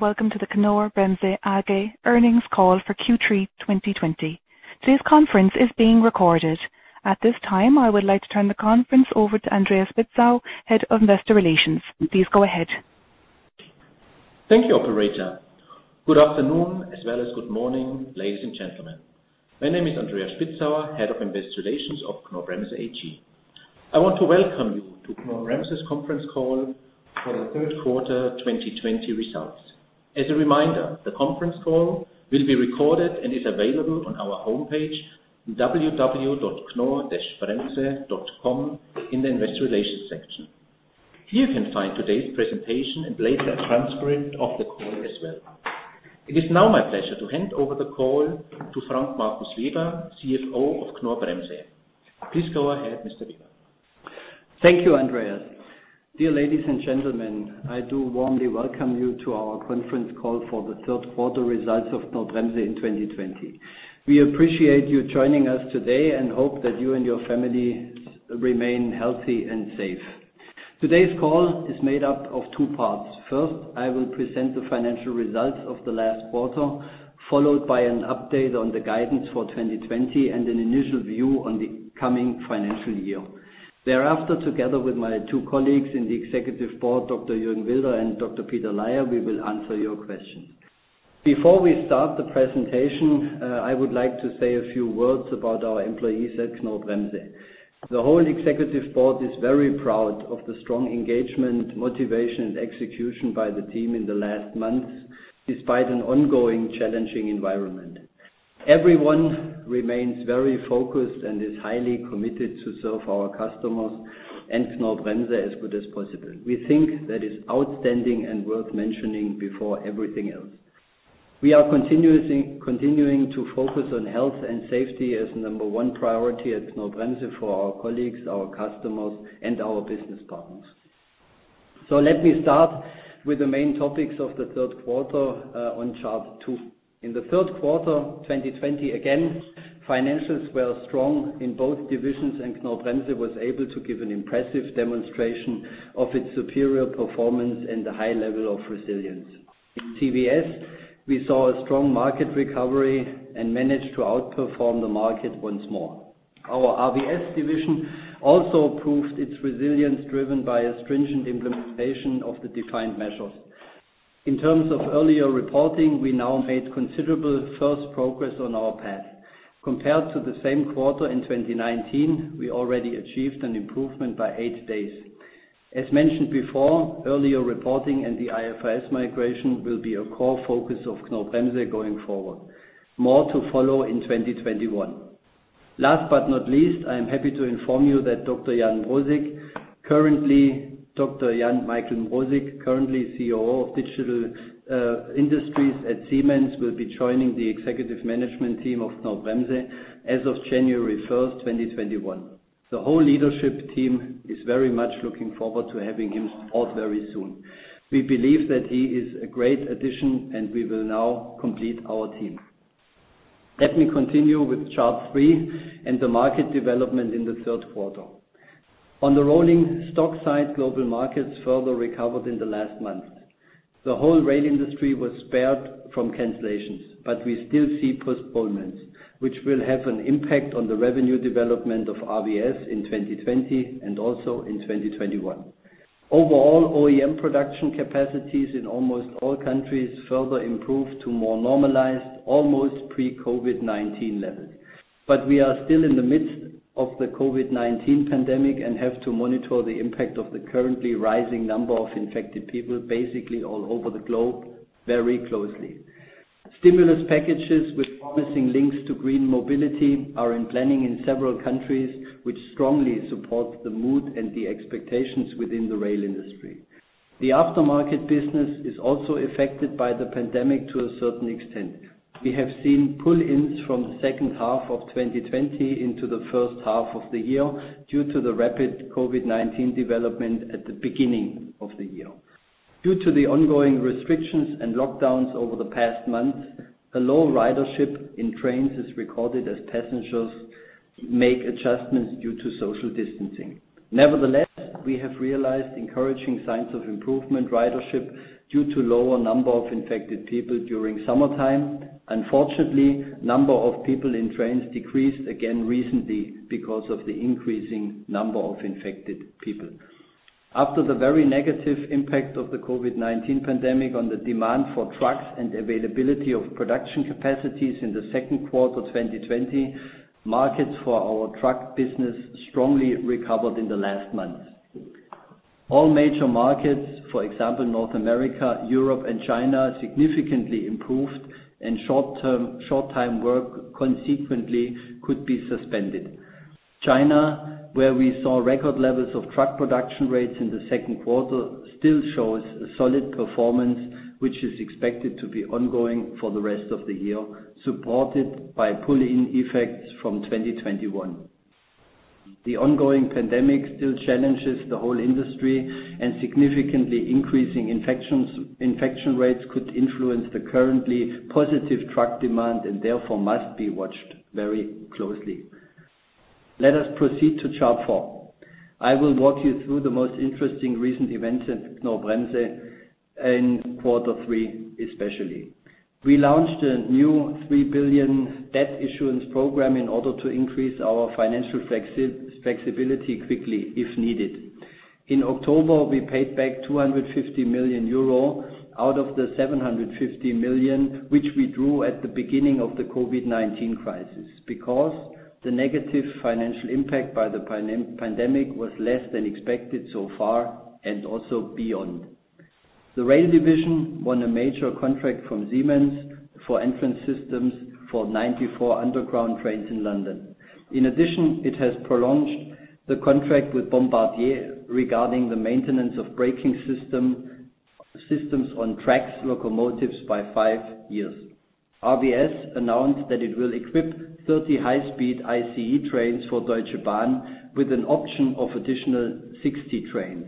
Welcome to the Knorr-Bremse AG earnings call for Q3 2020. Today's conference is being recorded. At this time, I would like to turn the conference over to Andreas Spitzauer, Head of Investor Relations. Please go ahead. Thank you, operator. Good afternoon, as well as good morning, ladies and gentlemen. My name is Andreas Spitzauer, Head of Investor Relations of Knorr-Bremse AG. I want to welcome you to Knorr-Bremse's conference call for the third quarter 2020 results. As a reminder, the conference call will be recorded and is available on our homepage, www.knorr-bremse.com, in the Investor Relations section. Here, you can find today's presentation and later a transcript of the call as well. It is now my pleasure to hand over the call to Frank Markus Weber, CFO of Knorr-Bremse. Please go ahead, Mr. Weber. Thank you, Andreas. Dear ladies and gentlemen, I do warmly welcome you to our conference call for the third quarter results of Knorr-Bremse in 2020. We appreciate you joining us today and hope that you and your families remain healthy and safe. Today's call is made up of two parts. First, I will present the financial results of the last quarter, followed by an update on the guidance for 2020 and an initial view on the coming financial year. Thereafter, together with my two colleagues in the executive board, Dr. Jürgen Wilder and Dr. Peter Laier, we will answer your questions. Before we start the presentation, I would like to say a few words about our employees at Knorr-Bremse. The whole executive board is very proud of the strong engagement, motivation, and execution by the team in the last months, despite an ongoing challenging environment. Everyone remains very focused and is highly committed to serve our customers and Knorr-Bremse as good as possible. We think that is outstanding and worth mentioning before everything else. We are continuing to focus on health and safety as number one priority at Knorr-Bremse for our colleagues, our customers, and our business partners. Let me start with the main topics of the third quarter on chart two. In the third quarter 2020, again, financials were strong in both divisions, and Knorr-Bremse was able to give an impressive demonstration of its superior performance and the high level of resilience. In CVS, we saw a strong market recovery and managed to outperform the market once more. Our RVS division also proved its resilience, driven by a stringent implementation of the defined measures. In terms of earlier reporting, we now made considerable first progress on our path. Compared to the same quarter in 2019, we already achieved an improvement by eight days. As mentioned before, earlier reporting and the IFRS migration will be a core focus of Knorr-Bremse going forward. More to follow in 2021. Last but not least, I am happy to inform you that Dr. Jan Michael Mrosik, currently COO of Digital Industries at Siemens, will be joining the executive management team of Knorr-Bremse as of January 1st, 2021. The whole leadership team is very much looking forward to having him on board very soon. We believe that he is a great addition, and we will now complete our team. Let me continue with chart three and the market development in the third quarter. On the rolling stock side, global markets further recovered in the last month. The whole rail industry was spared from cancellations, but we still see postponements, which will have an impact on the revenue development of RVS in 2020 and also in 2021. Overall, OEM production capacities in almost all countries further improved to more normalized, almost pre-COVID-19 levels. We are still in the midst of the COVID-19 pandemic and have to monitor the impact of the currently rising number of infected people, basically all over the globe, very closely. Stimulus packages with promising links to green mobility are in planning in several countries, which strongly support the mood and the expectations within the rail industry. The aftermarket business is also affected by the pandemic to a certain extent. We have seen pull-ins from the second half of 2020 into the first half of the year due to the rapid COVID-19 development at the beginning of the year. Due to the ongoing restrictions and lockdowns over the past month, a low ridership in trains is recorded as passengers make adjustments due to social distancing. Nevertheless, we have realized encouraging signs of improvement ridership due to lower number of infected people during summertime. Unfortunately, number of people in trains decreased again recently because of the increasing number of infected people. After the very negative impact of the COVID-19 pandemic on the demand for trucks and availability of production capacities in the second quarter 2020, markets for our truck business strongly recovered in the last month. All major markets, for example, North America, Europe, and China, significantly improved and short-time work consequently could be suspended. China, where we saw record levels of truck production rates in the second quarter, still shows a solid performance, which is expected to be ongoing for the rest of the year, supported by pull-in effects from 2021. The ongoing pandemic still challenges the whole industry, and significantly increasing infection rates could influence the currently positive truck demand and therefore must be watched very closely. Let us proceed to chart four. I will walk you through the most interesting recent events in Knorr-Bremse in quarter three, especially. We launched a new 3 billion debt issuance program in order to increase our financial flexibility quickly if needed. In October, we paid back 250 million euro out of the 750 million, which we drew at the beginning of the COVID-19 crisis, because the negative financial impact by the pandemic was less than expected so far and also beyond. The rail division won a major contract from Siemens for entrance systems for 94 underground trains in London. In addition, it has prolonged the contract with Bombardier regarding the maintenance of braking systems on TRAXX locomotives by five years. RVS announced that it will equip 30 high-speed ICE trains for Deutsche Bahn with an option of additional 60 trains.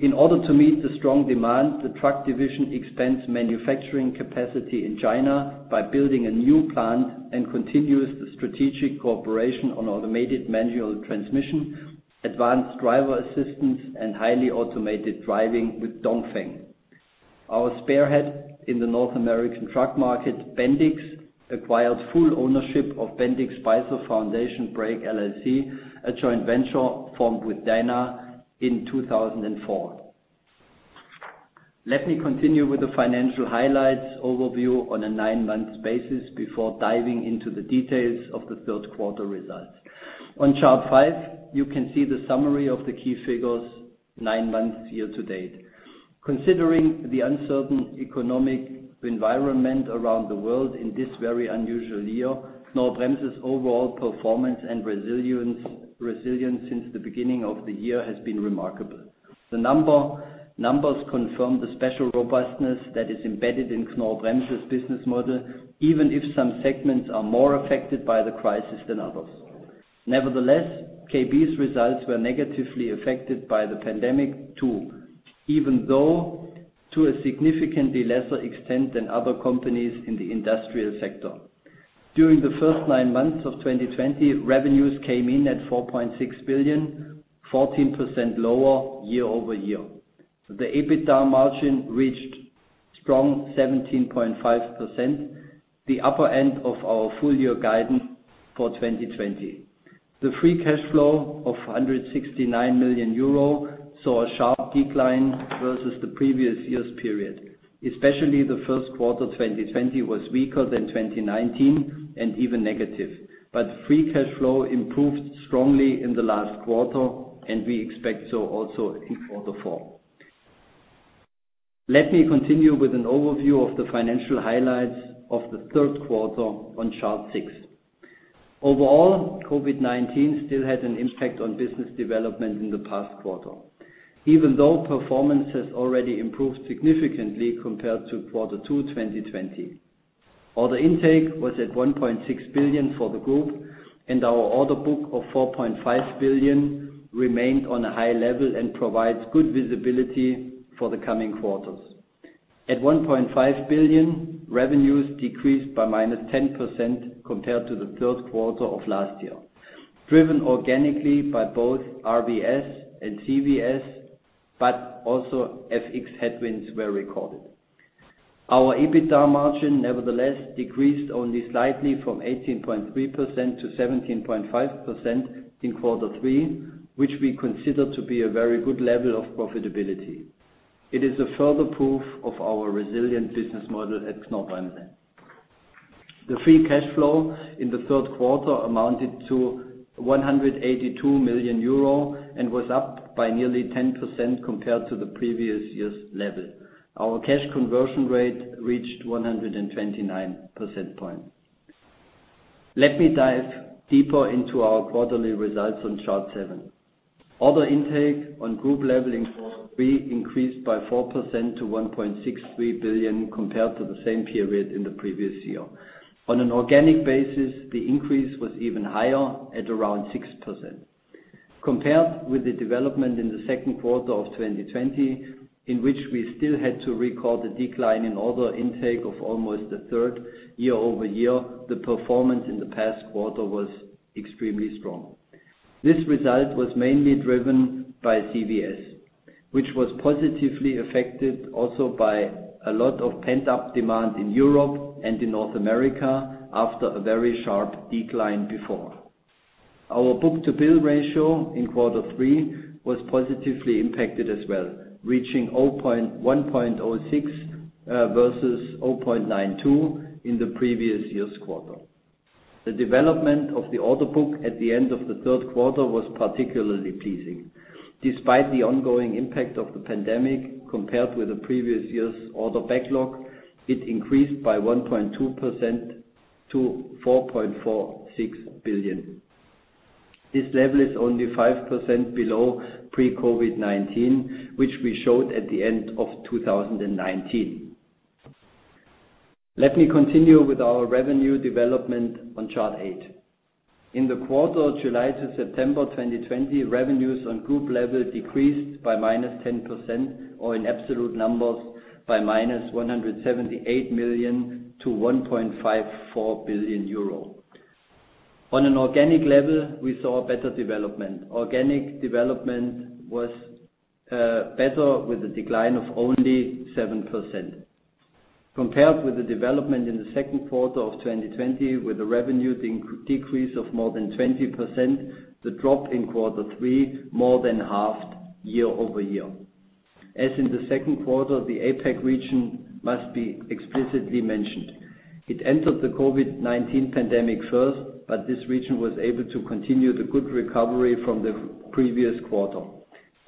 In order to meet the strong demand, the truck division expands manufacturing capacity in China by building a new plant and continues the strategic cooperation on automated manual transmission, advanced driver assistance, and highly automated driving with Dongfeng. Our spearhead in the North American truck market, Bendix, acquired full ownership of Bendix Spicer Foundation Brake LLC, a joint venture formed with Dana in 2004. Let me continue with the financial highlights overview on a nine-month basis before diving into the details of the third quarter results. On chart five, you can see the summary of the key figures nine months year-to-date. Considering the uncertain economic environment around the world in this very unusual year, Knorr-Bremse's overall performance and resilience since the beginning of the year has been remarkable. The numbers confirm the special robustness that is embedded in Knorr-Bremse's business model, even if some segments are more affected by the crisis than others. Nevertheless, KB's results were negatively affected by the pandemic, too, even though to a significantly lesser extent than other companies in the industrial sector. During the first nine months of 2020, revenues came in at 4.6 billion, 14% lower year-over-year. The EBITDA margin reached strong 17.5%, the upper end of our full year guidance for 2020. The free cash flow of 169 million euro saw a sharp decline versus the previous year's period. Especially the first quarter 2020 was weaker than 2019 and even negative. Free cash flow improved strongly in the last quarter, and we expect so also in quarter four. Let me continue with an overview of the financial highlights of the third quarter on chart six. Overall, COVID-19 still had an impact on business development in the past quarter, even though performance has already improved significantly compared to quarter two 2020. Order intake was at 1.6 billion for the group, and our order book of 4.5 billion remained on a high level and provides good visibility for the coming quarters. At 1.5 billion, revenues decreased by -10% compared to the third quarter of last year, driven organically by both RVS and CVS, but also FX headwinds were recorded. Our EBITDA margin, nevertheless, decreased only slightly from 18.3% to 17.5% in quarter three, which we consider to be a very good level of profitability. It is a further proof of our resilient business model at Knorr-Bremse. The free cash flow in the third quarter amounted to 182 million euro and was up by nearly 10% compared to the previous year's level. Our cash conversion rate reached 129%. Let me dive deeper into our quarterly results on chart seven. Order intake on group level in Q3 increased by 4% to 1.63 billion compared to the same period in the previous year. On an organic basis, the increase was even higher at around 6%. Compared with the development in the second quarter of 2020, in which we still had to record a decline in order intake of almost 1/3 year-over-year, the performance in the past quarter was extremely strong. This result was mainly driven by CVS, which was positively affected also by a lot of pent-up demand in Europe and in North America after a very sharp decline before. Our book-to-bill ratio in quarter three was positively impacted as well, reaching 1.06 versus 0.92 in the previous year's quarter. The development of the order book at the end of the third quarter was particularly pleasing. Despite the ongoing impact of the pandemic, compared with the previous year's order backlog, it increased by 1.2% to 4.46 billion. This level is only 5% below pre-COVID-19, which we showed at the end of 2019. Let me continue with our revenue development on chart eight. In the quarter July to September 2020, revenues on group level decreased by -10% or in absolute numbers by -178 million to 1.54 billion euro. On an organic level, we saw better development. Organic development was better, with a decline of only 7%. Compared with the development in the second quarter of 2020, with a revenue decrease of more than 20%, the drop in quarter three more than halved year-over-year. As in the second quarter, the APAC region must be explicitly mentioned. It entered the COVID-19 pandemic first. This region was able to continue the good recovery from the previous quarter.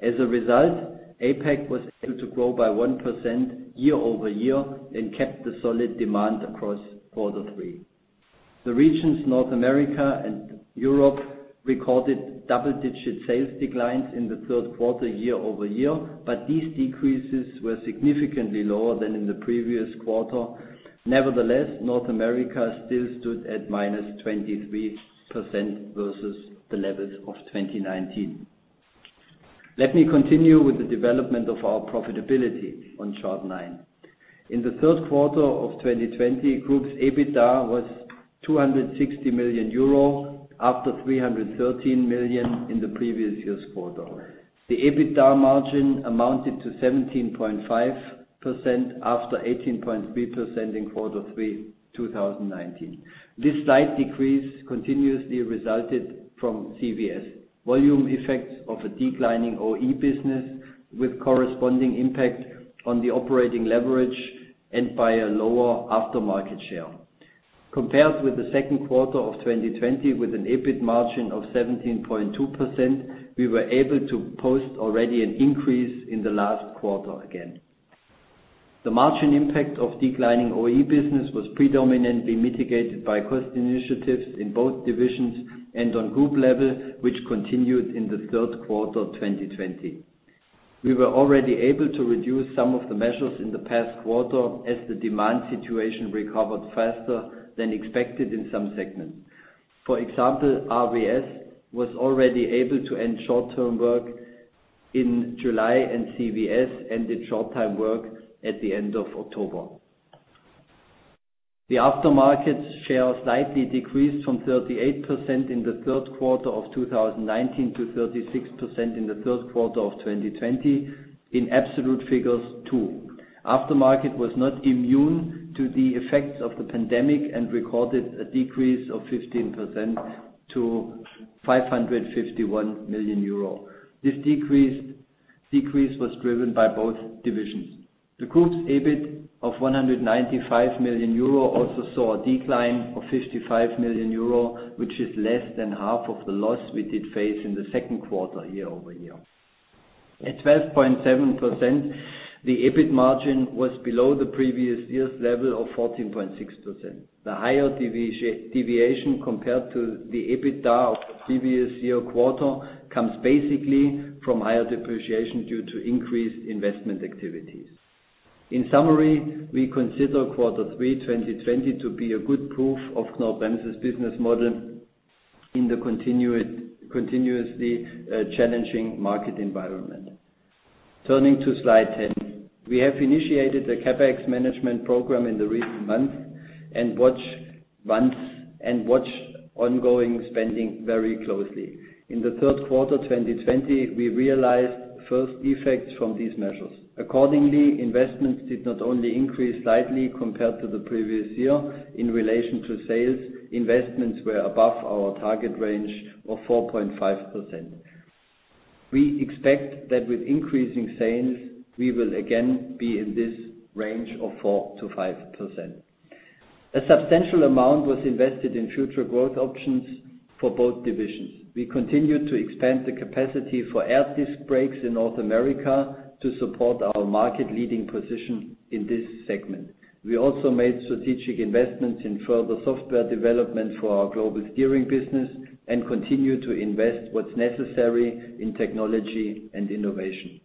As a result, APAC was able to grow by 1% year-over-year and kept the solid demand across quarter three. The regions North America and Europe recorded double-digit sales declines in the third quarter year-over-year, but these decreases were significantly lower than in the previous quarter. Nevertheless, North America still stood at -23% versus the levels of 2019. Let me continue with the development of our profitability on chart nine. In the third quarter of 2020, group's EBITDA was 260 million euro, after 313 million in the previous year's quarter. The EBITDA margin amounted to 17.5% after 18.3% in quarter three 2019. This slight decrease continuously resulted from CVS. Volume effects of a declining OE business with corresponding impact on the operating leverage and by a lower aftermarket share. Compared with the second quarter of 2020, with an EBIT margin of 17.2%, we were able to post already an increase in the last quarter again. The margin impact of declining OE business was predominantly mitigated by cost initiatives in both divisions and on group level, which continued in the third quarter 2020. We were already able to reduce some of the measures in the past quarter as the demand situation recovered faster than expected in some segments. For example, RVS was already able to end short-term work in July, and CVS ended short-time work at the end of October. The aftermarket share slightly decreased from 38% in the third quarter of 2019 to 36% in the third quarter of 2020. In absolute figures, too. Aftermarket was not immune to the effects of the pandemic and recorded a decrease of 15% to 551 million euro. This decrease was driven by both divisions. The group's EBIT of 195 million euro also saw a decline of 55 million euro, which is less than half of the loss we did face in the second quarter year-over-year. At 12.7%, the EBIT margin was below the previous year's level of 14.6%. The higher deviation compared to the EBITDA of the previous year quarter comes basically from higher depreciation due to increased investment activities. In summary, we consider quarter three 2020 to be a good proof of Knorr-Bremse's business model in the continuously challenging market environment. Turning to slide 10. We have initiated a CapEx management program in the recent months and watch ongoing spending very closely. In the third quarter 2020, we realized first effects from these measures. Accordingly, investments did not only increase slightly compared to the previous year in relation to sales, investments were above our target range of 4.5%. We expect that with increasing sales, we will again be in this range of 4%-5%. A substantial amount was invested in future growth options for both divisions. We continued to expand the capacity for air disc brakes in North America to support our market-leading position in this segment. We also made strategic investments in further software development for our global steering business and continue to invest what's necessary in technology and innovation.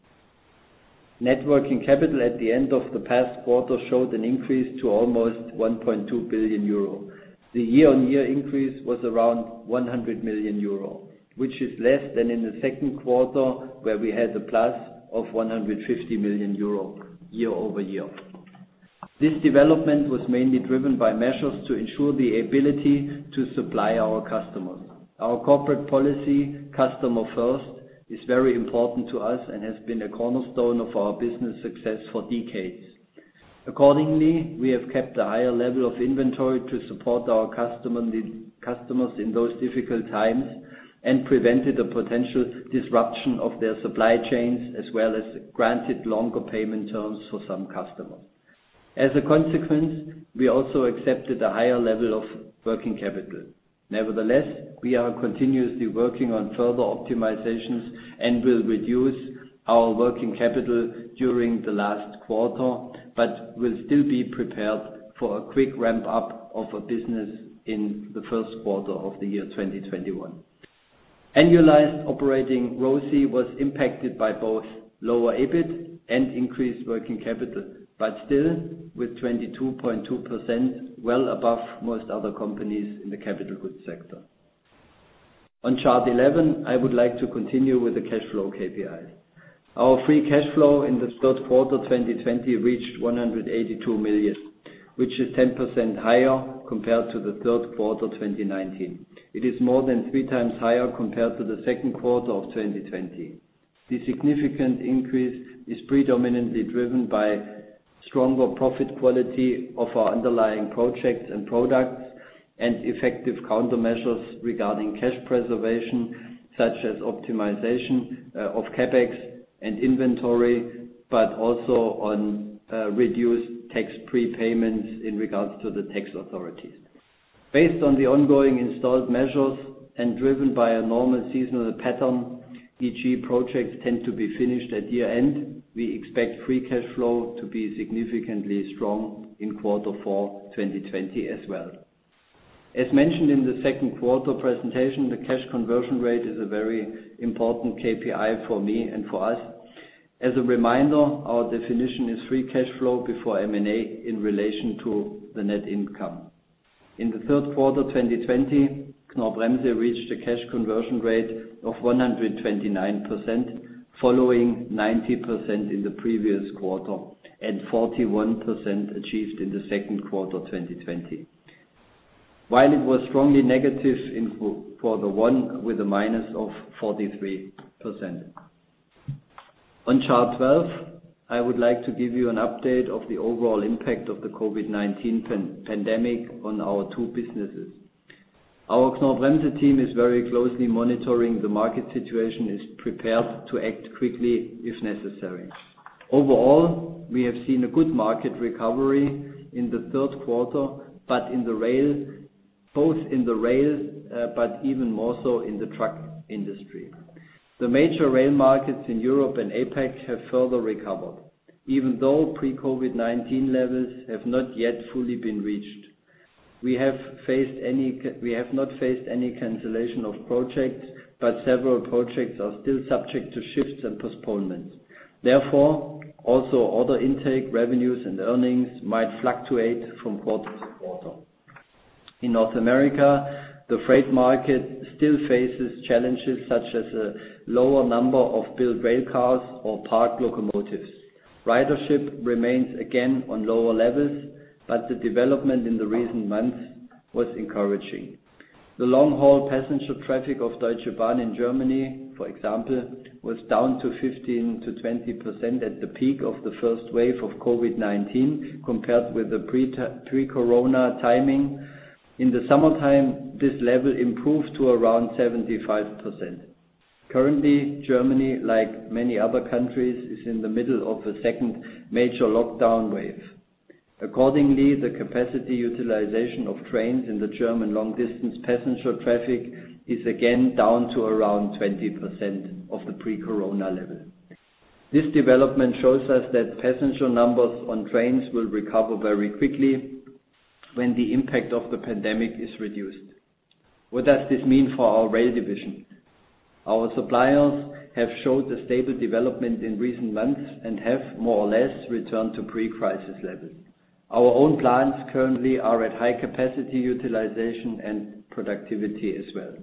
Net working capital at the end of the past quarter showed an increase to almost 1.2 billion euro. The year-on-year increase was around 100 million euro, which is less than in the second quarter, where we had a plus of 150 million euro year-over-year. This development was mainly driven by measures to ensure the ability to supply our customers. Our corporate policy, customer first, is very important to us and has been a cornerstone of our business success for decades. Accordingly, we have kept a higher level of inventory to support our customers in those difficult times and prevented a potential disruption of their supply chains, as well as granted longer payment terms for some customers. We also accepted a higher level of working capital. Nevertheless, we are continuously working on further optimizations and will reduce our working capital during the last quarter, but will still be prepared for a quick ramp-up of a business in the first quarter of the year 2021. Annualized operating ROCE was impacted by both lower EBIT and increased working capital, but still with 22.2% well above most other companies in the capital goods sector. On chart 11, I would like to continue with the cash flow KPIs. Our free cash flow in the third quarter 2020 reached 182 million, which is 10% higher compared to the third quarter 2019. It is more than 3x higher compared to the second quarter of 2020. The significant increase is predominantly driven by stronger profit quality of our underlying projects and products and effective countermeasures regarding cash preservation, such as optimization of CapEx and inventory, but also on reduced tax prepayments in regards to the tax authorities. Based on the ongoing installed measures and driven by a normal seasonal pattern, e.g., projects tend to be finished at year-end, we expect free cash flow to be significantly strong in quarter four 2020 as well. As mentioned in the second quarter presentation, the cash conversion rate is a very important KPI for me and for us. As a reminder, our definition is free cash flow before M&A in relation to the net income. In the third quarter 2020, Knorr-Bremse reached a cash conversion rate of 129%, following 90% in the previous quarter and 41% achieved in the second quarter 2020. While it was strongly negative in quarter one with a minus of 43%. On chart 12, I would like to give you an update of the overall impact of the COVID-19 pandemic on our two businesses. Our Knorr-Bremse team is very closely monitoring the market situation, is prepared to act quickly if necessary. Overall, we have seen a good market recovery in the third quarter, both in the rail, but even more so in the truck industry. The major rail markets in Europe and APAC have further recovered. Even though pre-COVID-19 levels have not yet fully been reached. We have not faced any cancellation of projects, but several projects are still subject to shifts and postponements. Therefore, also order intake, revenues, and earnings might fluctuate from quarter to quarter. In North America, the freight market still faces challenges such as a lower number of built rail cars or parked locomotives. Ridership remains again on lower levels, but the development in the recent months was encouraging. The long-haul passenger traffic of Deutsche Bahn in Germany, for example, was down to 15%-20% at the peak of the first wave of COVID-19, compared with the pre-corona timing. In the summertime, this level improved to around 75%. Currently, Germany, like many other countries, is in the middle of a second major lockdown wave. The capacity utilization of trains in the German long-distance passenger traffic is again down to around 20% of the pre-corona level. This development shows us that passenger numbers on trains will recover very quickly when the impact of the pandemic is reduced. What does this mean for our rail division? Our suppliers have showed a stable development in recent months and have more or less returned to pre-crisis levels. Our own plants currently are at high capacity utilization and productivity as well.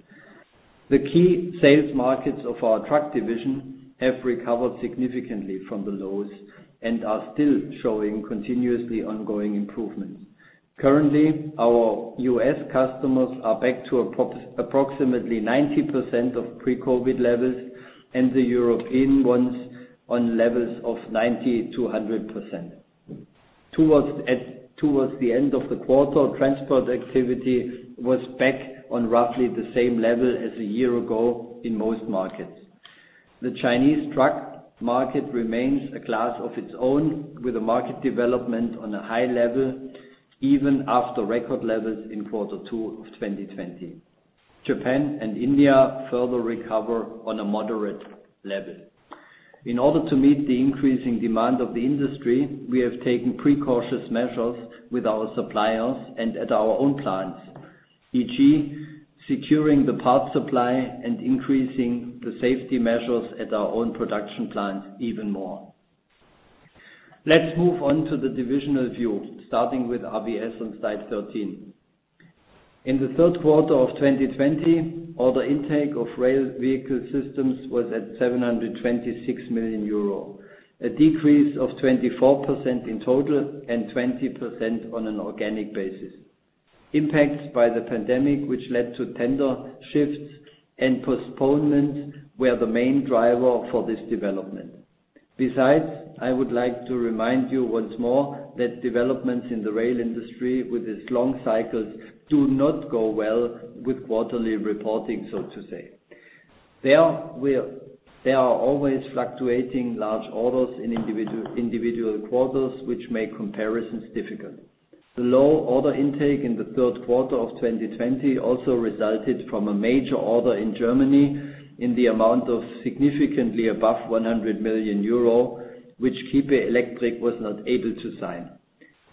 The key sales markets of our truck division have recovered significantly from the lows and are still showing continuously ongoing improvements. Currently, our U.S. customers are back to approximately 90% of pre-COVID levels and the European ones on levels of 90%-100%. Towards the end of the quarter, transport activity was back on roughly the same level as a year ago in most markets. The Chinese truck market remains a class of its own, with a market development on a high level, even after record levels in quarter two of 2020. Japan and India further recover on a moderate level. In order to meet the increasing demand of the industry, we have taken precautious measures with our suppliers and at our own plants, e.g., securing the parts supply and increasing the safety measures at our own production plant even more. Let's move on to the divisional view, starting with RVS on slide 13. In the third quarter of 2020, order intake of Rail Vehicle Systems was at 726 million euro, a decrease of 24% in total and 20% on an organic basis. Impacts by the pandemic, which led to tender shifts and postponements, were the main driver for this development. I would like to remind you once more that developments in the rail industry with its long cycles do not go well with quarterly reporting, so to say. There are always fluctuating large orders in individual quarters which make comparisons difficult. The low order intake in the third quarter of 2020 also resulted from a major order in Germany in the amount of significantly above 100 million euro, which Kiepe Electric was not able to sign.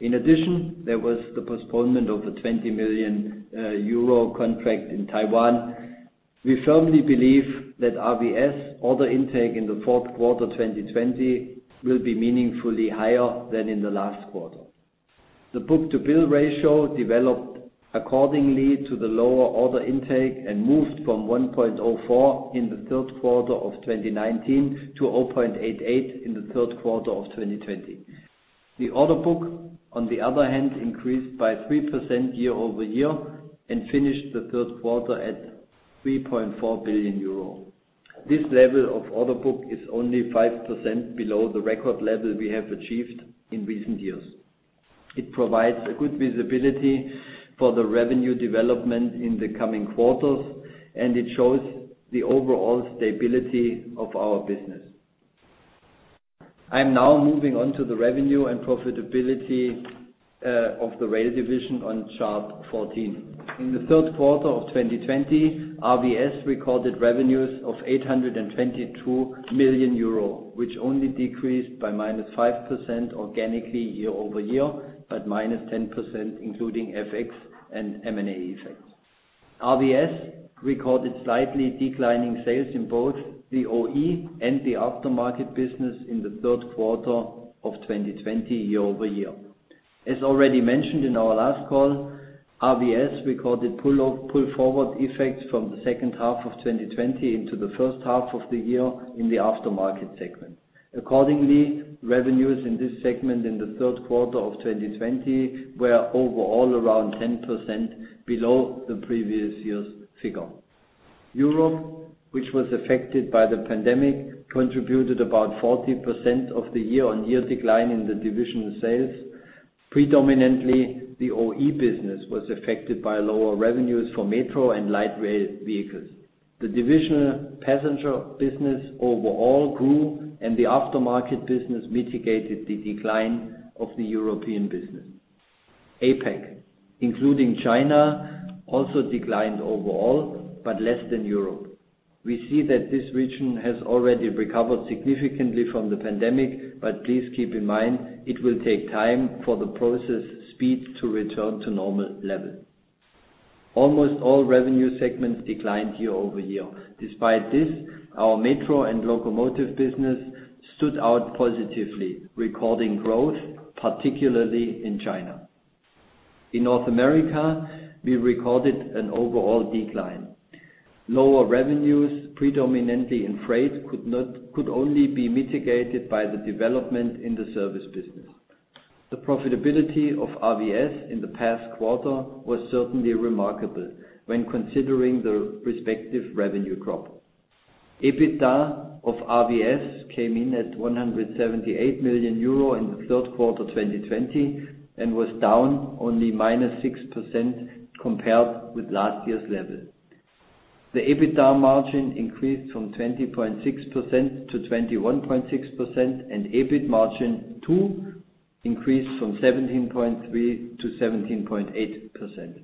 In addition, there was the postponement of the 20 million euro contract in Taiwan. We firmly believe that RVS order intake in the fourth quarter 2020 will be meaningfully higher than in the last quarter. The book-to-bill ratio developed accordingly to the lower order intake and moved from 1.04 in the third quarter of 2019 to 0.88 in the third quarter of 2020. The order book, on the other hand, increased by 3% year-over-year and finished the third quarter at 3.4 billion euro. This level of order book is only 5% below the record level we have achieved in recent years. It provides a good visibility for the revenue development in the coming quarters, and it shows the overall stability of our business. I am now moving on to the revenue and profitability of the rail division on chart 14. In the third quarter of 2020, RVS recorded revenues of 822 million euro, which only decreased by -5% organically year-over-year, but -10%, including FX and M&A effects. RVS recorded slightly declining sales in both the OE and the aftermarket business in the third quarter of 2020 year-over-year. As already mentioned in our last call, RVS recorded pull forward effects from the second half of 2020 into the first half of the year in the aftermarket segment. Accordingly, revenues in this segment in the third quarter of 2020 were overall around 10% below the previous year's figure. Europe, which was affected by the pandemic, contributed about 40% of the year-on-year decline in the divisional sales. Predominantly, the OE business was affected by lower revenues for metro and light rail vehicles. The divisional passenger business overall grew and the aftermarket business mitigated the decline of the European business. APAC, including China, also declined overall, but less than Europe. We see that this region has already recovered significantly from the pandemic, but please keep in mind, it will take time for the process speed to return to normal levels. Almost all revenue segments declined year-over-year. Despite this, our metro and locomotive business stood out positively, recording growth, particularly in China. In North America, we recorded an overall decline. Lower revenues, predominantly in freight could only be mitigated by the development in the service business. The profitability of RVS in the past quarter was certainly remarkable when considering the respective revenue drop. EBITDA of RVS came in at 178 million euro in the third quarter 2020 and was down only -6% compared with last year's level. The EBITDA margin increased from 20.6% to 21.6%, and EBIT margin too increased from 17.3% to 17.8%.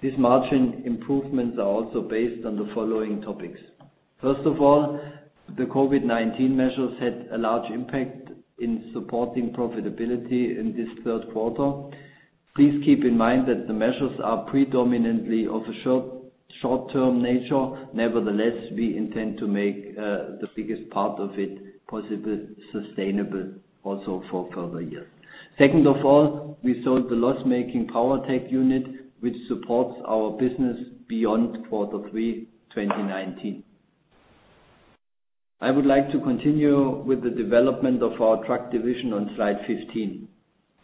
These margin improvements are also based on the following topics. First of all, the COVID-19 measures had a large impact in supporting profitability in this third quarter. Please keep in mind that the measures are predominantly of a short-term nature. Nevertheless, we intend to make the biggest part of it possibly sustainable also for further years. Second of all, we sold the loss-making Powertech unit, which supports our business beyond quarter three 2019. I would like to continue with the development of our truck division on slide 15.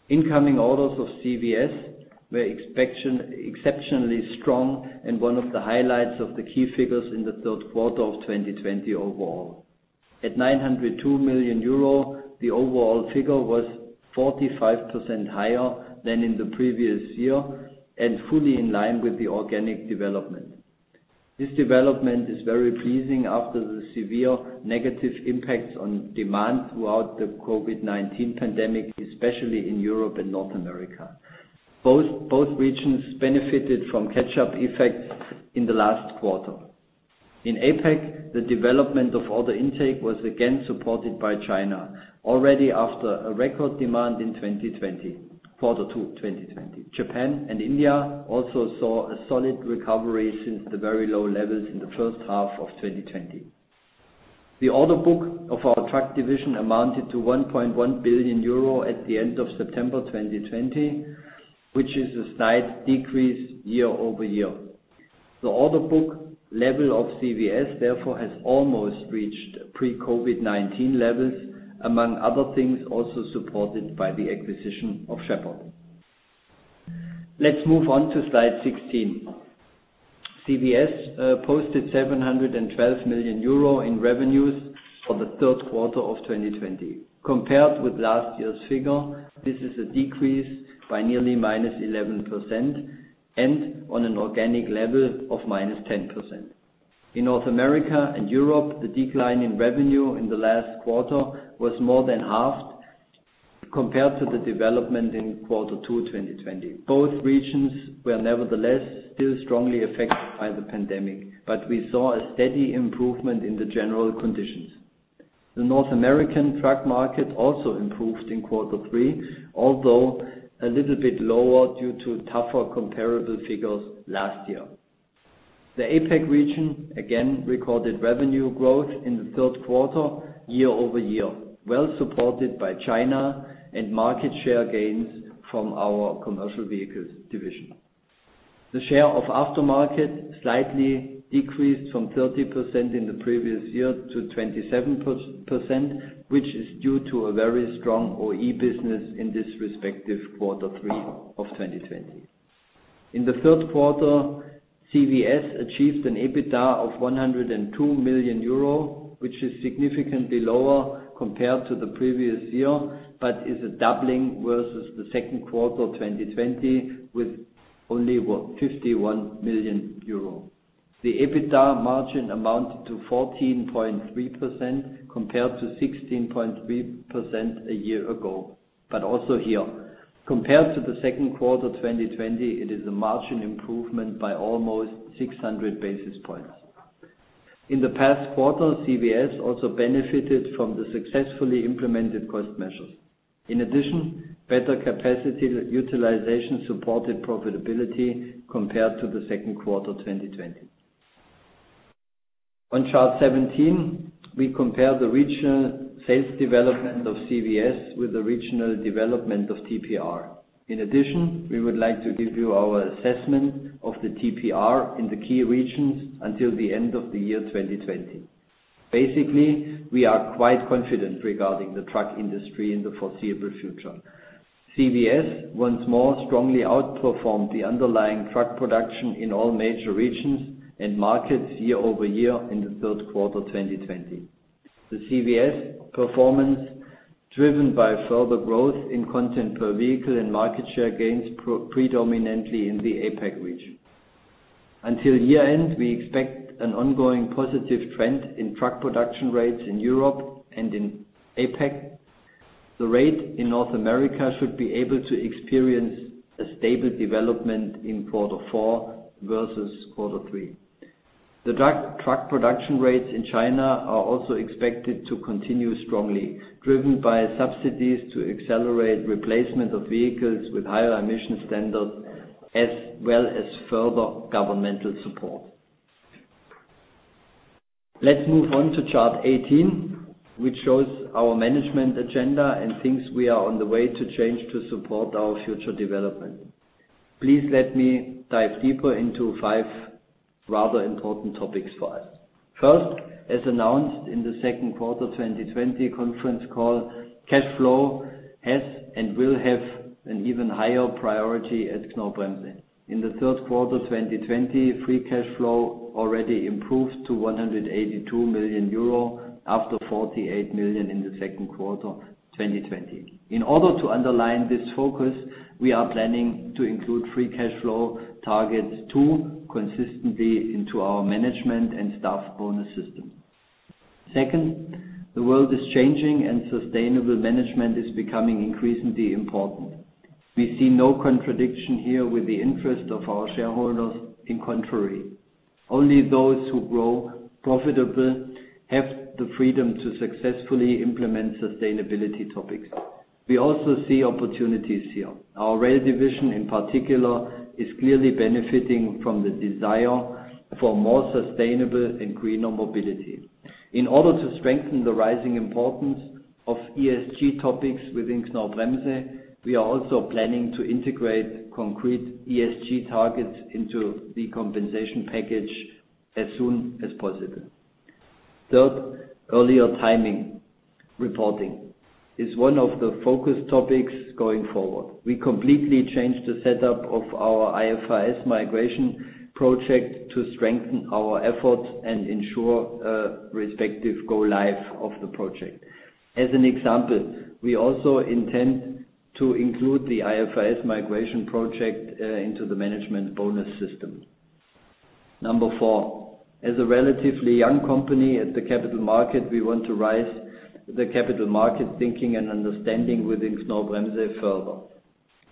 Incoming orders of CVS were exceptionally strong and one of the highlights of the key figures in the third quarter of 2020 overall. At 902 million euro, the overall figure was 45% higher than in the previous year and fully in line with the organic development. This development is very pleasing after the severe negative impacts on demand throughout the COVID-19 pandemic, especially in Europe and North America. Both regions benefited from catch-up effects in the last quarter. In APAC, the development of order intake was again supported by China, already after a record demand in quarter two 2020. Japan and India also saw a solid recovery since the very low levels in the first half of 2020. The order book of our truck division amounted to 1.1 billion euro at the end of September 2020, which is a slight decrease year-over-year. The order book level of CVS, therefore, has almost reached pre-COVID-19 levels, among other things also supported by the acquisition of Sheppard. Let's move on to slide 16. CVS posted 712 million euro in revenues for the third quarter of 2020. Compared with last year's figure, this is a decrease by nearly -11% and on an organic level of -10%. In North America and Europe, the decline in revenue in the last quarter was more than halved compared to the development in quarter two 2020. Both regions were nevertheless still strongly affected by the pandemic, but we saw a steady improvement in the general conditions. The North American truck market also improved in quarter three, although a little bit lower due to tougher comparable figures last year. The APAC region again recorded revenue growth in the third quarter year-over-year, well supported by China and market share gains from our commercial vehicles division. The share of aftermarket slightly decreased from 30% in the previous year to 27%, which is due to a very strong OE business in this respective quarter three of 2020. In the third quarter, CVS achieved an EBITDA of 102 million euro, which is significantly lower compared to the previous year, but is a doubling versus the second quarter of 2020, with only 51 million euro. The EBITDA margin amounted to 14.3% compared to 16.3% a year ago. Also here, compared to the second quarter 2020, it is a margin improvement by almost 600 basis points. In the past quarter, CVS also benefited from the successfully implemented cost measures. In addition, better capacity utilization supported profitability compared to the second quarter 2020. On chart 17, we compare the regional sales development of CVS with the regional development of TPR. In addition, we would like to give you our assessment of the TPR in the key regions until the end of the year 2020. Basically, we are quite confident regarding the truck industry in the foreseeable future. CVS once more strongly outperformed the underlying truck production in all major regions and markets year-over-year in the third quarter 2020. The CVS performance, driven by further growth in content per vehicle and market share gains predominantly in the APAC region. Until year-end, we expect an ongoing positive trend in truck production rates in Europe and in APAC. The rate in North America should be able to experience a stable development in quarter four versus quarter three. The truck production rates in China are also expected to continue strongly, driven by subsidies to accelerate replacement of vehicles with higher emission standards, as well as further governmental support. Let's move on to chart 18, which shows our management agenda and things we are on the way to change to support our future development. Please let me dive deeper into five rather important topics for us. First, as announced in the second quarter 2020 conference call, cash flow has and will have an even higher priority at Knorr-Bremse. In the third quarter 2020, free cash flow already improved to 182 million euro after 48 million in the second quarter 2020. In order to underline this focus, we are planning to include free cash flow targets too, consistently into our management and staff bonus system. Second, the world is changing, and sustainable management is becoming increasingly important. We see no contradiction here with the interest of our shareholders. On the contrary, only those who grow profitable have the freedom to successfully implement sustainability topics. We also see opportunities here. Our rail division, in particular, is clearly benefiting from the desire for more sustainable and greener mobility. In order to strengthen the rising importance of ESG topics within Knorr-Bremse, we are also planning to integrate concrete ESG targets into the compensation package as soon as possible. Third, earlier timing reporting is one of the focus topics going forward. We completely changed the setup of our IFRS migration project to strengthen our effort and ensure respective go live of the project. As an example, we also intend to include the IFRS migration project into the management bonus system. Number four, as a relatively young company at the capital market, we want to raise the capital market thinking and understanding within Knorr-Bremse further.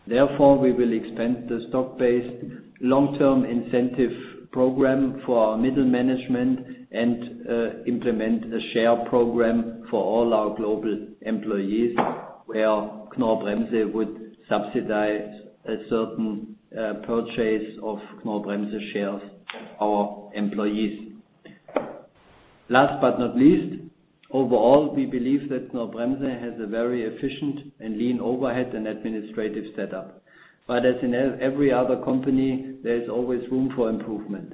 Therefore, we will expand the stock-based long-term incentive program for our middle management and implement a share program for all our global employees, where Knorr-Bremse would subsidize a certain purchase of Knorr-Bremse shares of our employees. Last but not least, overall, we believe that Knorr-Bremse has a very efficient and lean overhead and administrative setup. As in every other company, there is always room for improvement.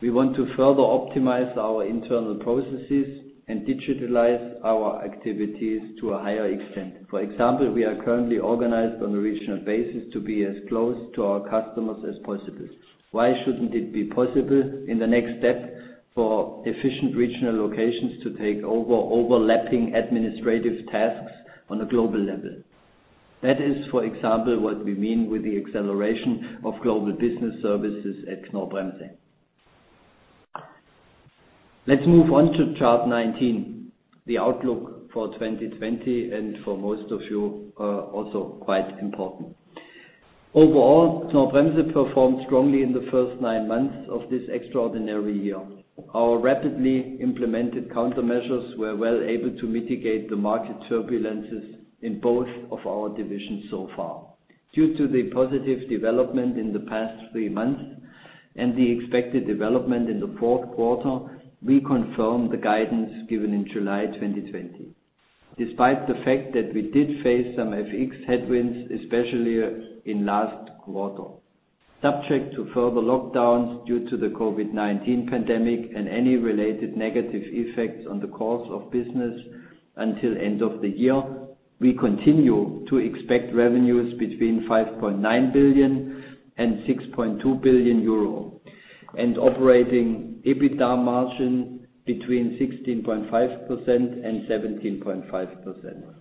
We want to further optimize our internal processes and digitalize our activities to a higher extent. For example, we are currently organized on a regional basis to be as close to our customers as possible. Why shouldn't it be possible in the next step for efficient regional locations to take over overlapping administrative tasks on a global level? That is, for example, what we mean with the acceleration of global business services at Knorr-Bremse. Let's move on to chart 19, the outlook for 2020, and for most of you, also quite important. Overall, Knorr-Bremse performed strongly in the first nine months of this extraordinary year. Our rapidly implemented countermeasures were well able to mitigate the market turbulences in both of our divisions so far. Due to the positive development in the past three months and the expected development in the fourth quarter, we confirm the guidance given in July 2020. Despite the fact that we did face some FX headwinds, especially in last quarter. Subject to further lockdowns due to the COVID-19 pandemic and any related negative effects on the course of business until end of the year, we continue to expect revenues between 5.9 billion and 6.2 billion euro, and operating EBITDA margin between 16.5% and 17.5%.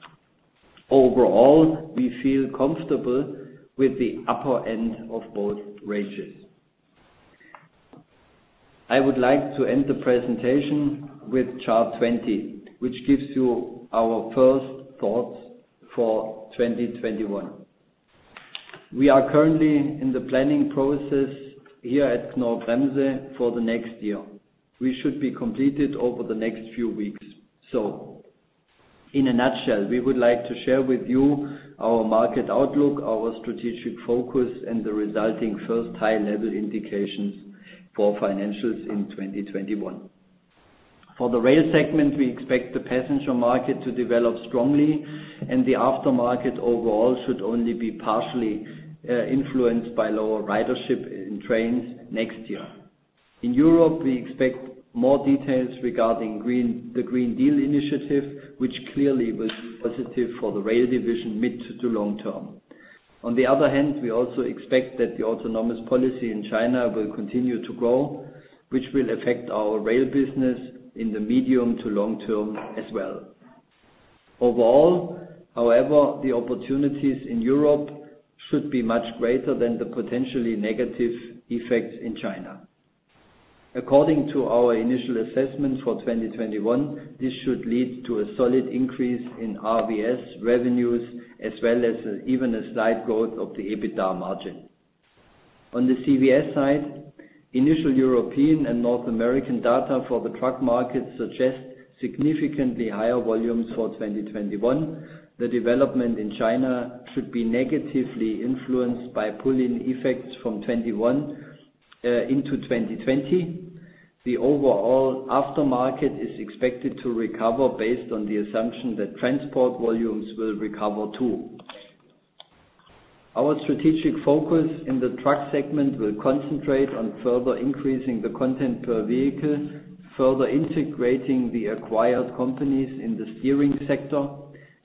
Overall, we feel comfortable with the upper end of both ranges. I would like to end the presentation with chart 20, which gives you our first thoughts for 2021. We are currently in the planning process here at Knorr-Bremse for the next year. We should be completed over the next few weeks. In a nutshell, we would like to share with you our market outlook, our strategic focus, and the resulting first high-level indications for financials in 2021. For the rail segment, we expect the passenger market to develop strongly, and the aftermarket overall should only be partially influenced by lower ridership in trains next year. In Europe, we expect more details regarding the Green Deal initiative, which clearly was positive for the rail division mid to long term. On the other hand, we also expect that the autonomous policy in China will continue to grow, which will affect our rail business in the medium to long term as well. Overall, however, the opportunities in Europe should be much greater than the potentially negative effects in China. According to our initial assessment for 2021, this should lead to a solid increase in RVS revenues, as well as even a slight growth of the EBITDA margin. On the CVS side, initial European and North American data for the truck market suggest significantly higher volumes for 2021. The development in China should be negatively influenced by pull-in effects from 2021 into 2020. The overall aftermarket is expected to recover based on the assumption that transport volumes will recover, too. Our strategic focus in the truck segment will concentrate on further increasing the content per vehicle, further integrating the acquired companies in the steering sector,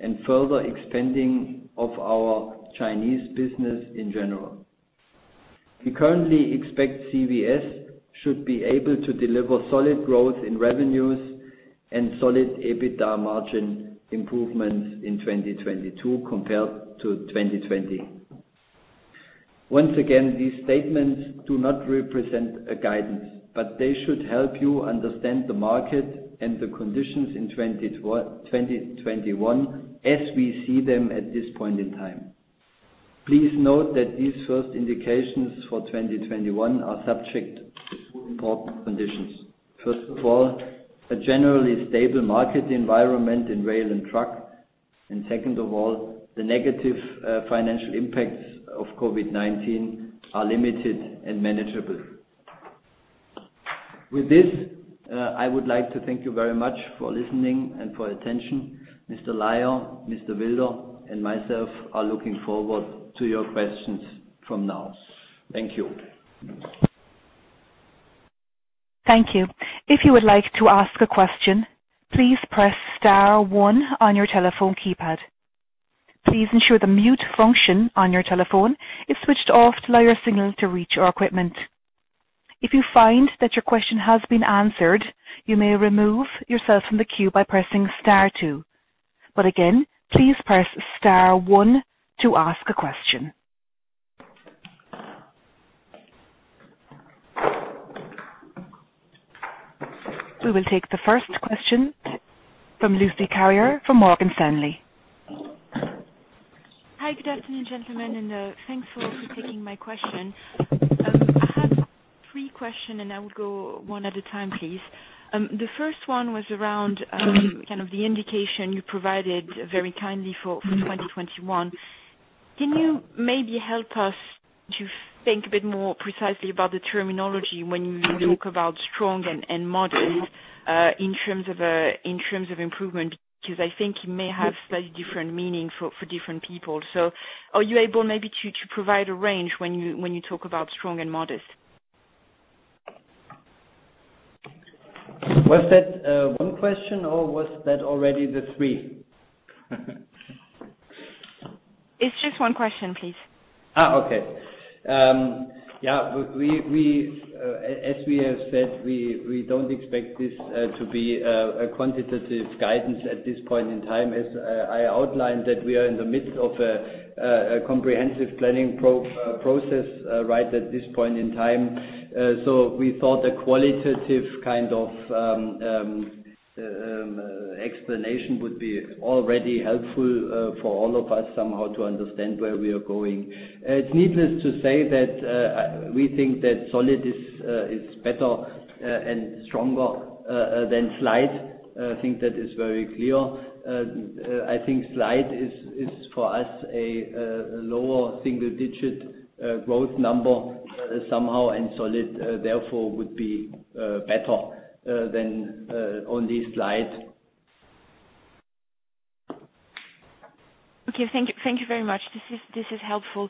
and further expanding of our Chinese business in general. We currently expect CVS should be able to deliver solid growth in revenues and solid EBITDA margin improvements in 2022 compared to 2020. Once again, these statements do not represent a guidance. They should help you understand the market and the conditions in 2021 as we see them at this point in time. Please note that these first indications for 2021 are subject to two important conditions. First of all, a generally stable market environment in rail and truck. Second of all, the negative financial impacts of COVID-19 are limited and manageable. With this, I would like to thank you very much for listening and for your attention. Mr. Laier, Mr. Wilder, and myself are looking forward to your questions from now. Thank you. Thank you. If you would like to ask a question, please press star one on your telephone keypad. Please ensure the mute function on your telephone is switched off to allow your signal to reach our equipment. If you find that your question has been answered, you may remove yourself from the queue by pressing star two. Again, please press star one to ask a question. We will take the first question from Lucie Carrier from Morgan Stanley. Hi. Good afternoon, gentlemen, and thanks for taking my question. I have three question, and I would go one at a time, please. The first one was around the indication you provided very kindly for 2021. Can you maybe help us to think a bit more precisely about the terminology when you look about strong and modest in terms of improvement? I think it may have slightly different meaning for different people. Are you able maybe to provide a range when you talk about strong and modest? Was that one question, or was that already the three? It's just one question, please. Okay. Yeah. As we have said, we don't expect this to be a quantitative guidance at this point in time, as I outlined that we are in the midst of a comprehensive planning process right at this point in time. We thought a qualitative kind of explanation would be already helpful for all of us somehow to understand where we are going. It's needless to say that we think that solid is better and stronger than slight. I think that is very clear. I think slight is, for us, a lower single-digit growth number somehow, and solid, therefore, would be better than only slight. Okay. Thank you very much. This is helpful.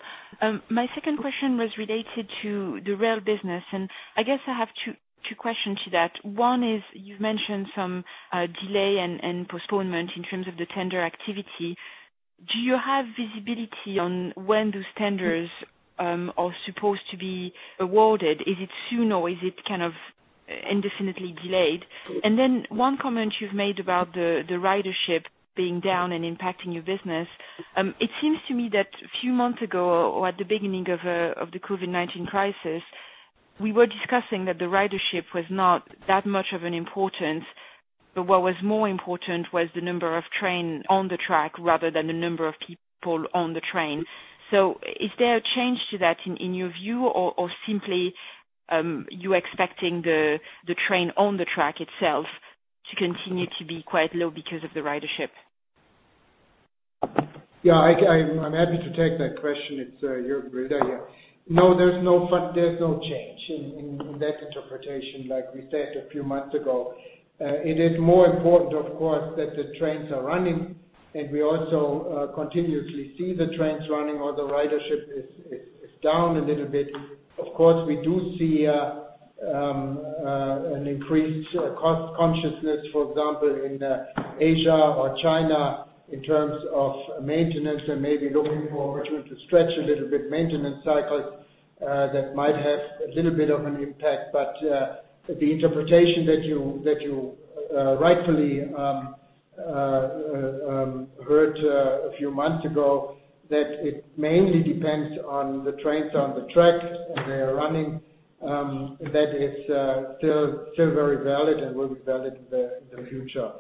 My second question was related to the rail business, and I guess I have two questions to that. One is, you've mentioned some delay and postponement in terms of the tender activity. Do you have visibility on when those tenders are supposed to be awarded? Is it soon, or is it kind of indefinitely delayed? Then one comment you've made about the ridership being down and impacting your business. It seems to me that a few months ago, or at the beginning of the COVID-19 crisis, we were discussing that the ridership was not that much of an importance, but what was more important was the number of train on the track rather than the number of people on the train. Is there a change to that in your view, or simply you expecting the train on the track itself to continue to be quite low because of the ridership? I'm happy to take that question. It's Jürgen here. There's no change in that interpretation like we said a few months ago. It is more important, of course, that the trains are running, and we also continuously see the trains running, or the ridership is down a little bit. Of course, we do see an increased cost consciousness, for example, in Asia or China in terms of maintenance and maybe looking for to stretch a little bit maintenance cycles that might have a little bit of an impact. The interpretation that you rightfully heard a few months ago, that it mainly depends on the trains on the track and they are running, that is still very valid and will be valid in the future.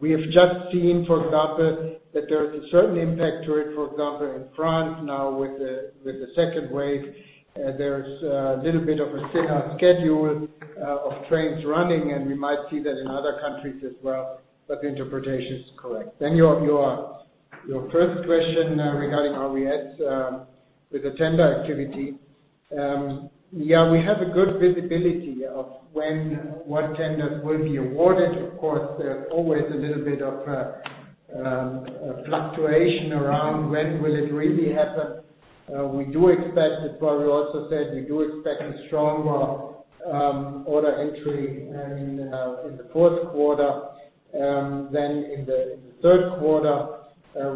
We have just seen, for example, that there is a certain impact to it, for example, in France now with the second wave. There's a little bit of a thinner schedule of trains running, and we might see that in other countries as well, but the interpretation is correct. Your first question regarding RVS with the tender activity. We have a good visibility of when what tenders will be awarded. Of course, there's always a little bit of fluctuation around when will it really happen. That's why we also said we do expect a stronger order entry in the fourth quarter than in the third quarter,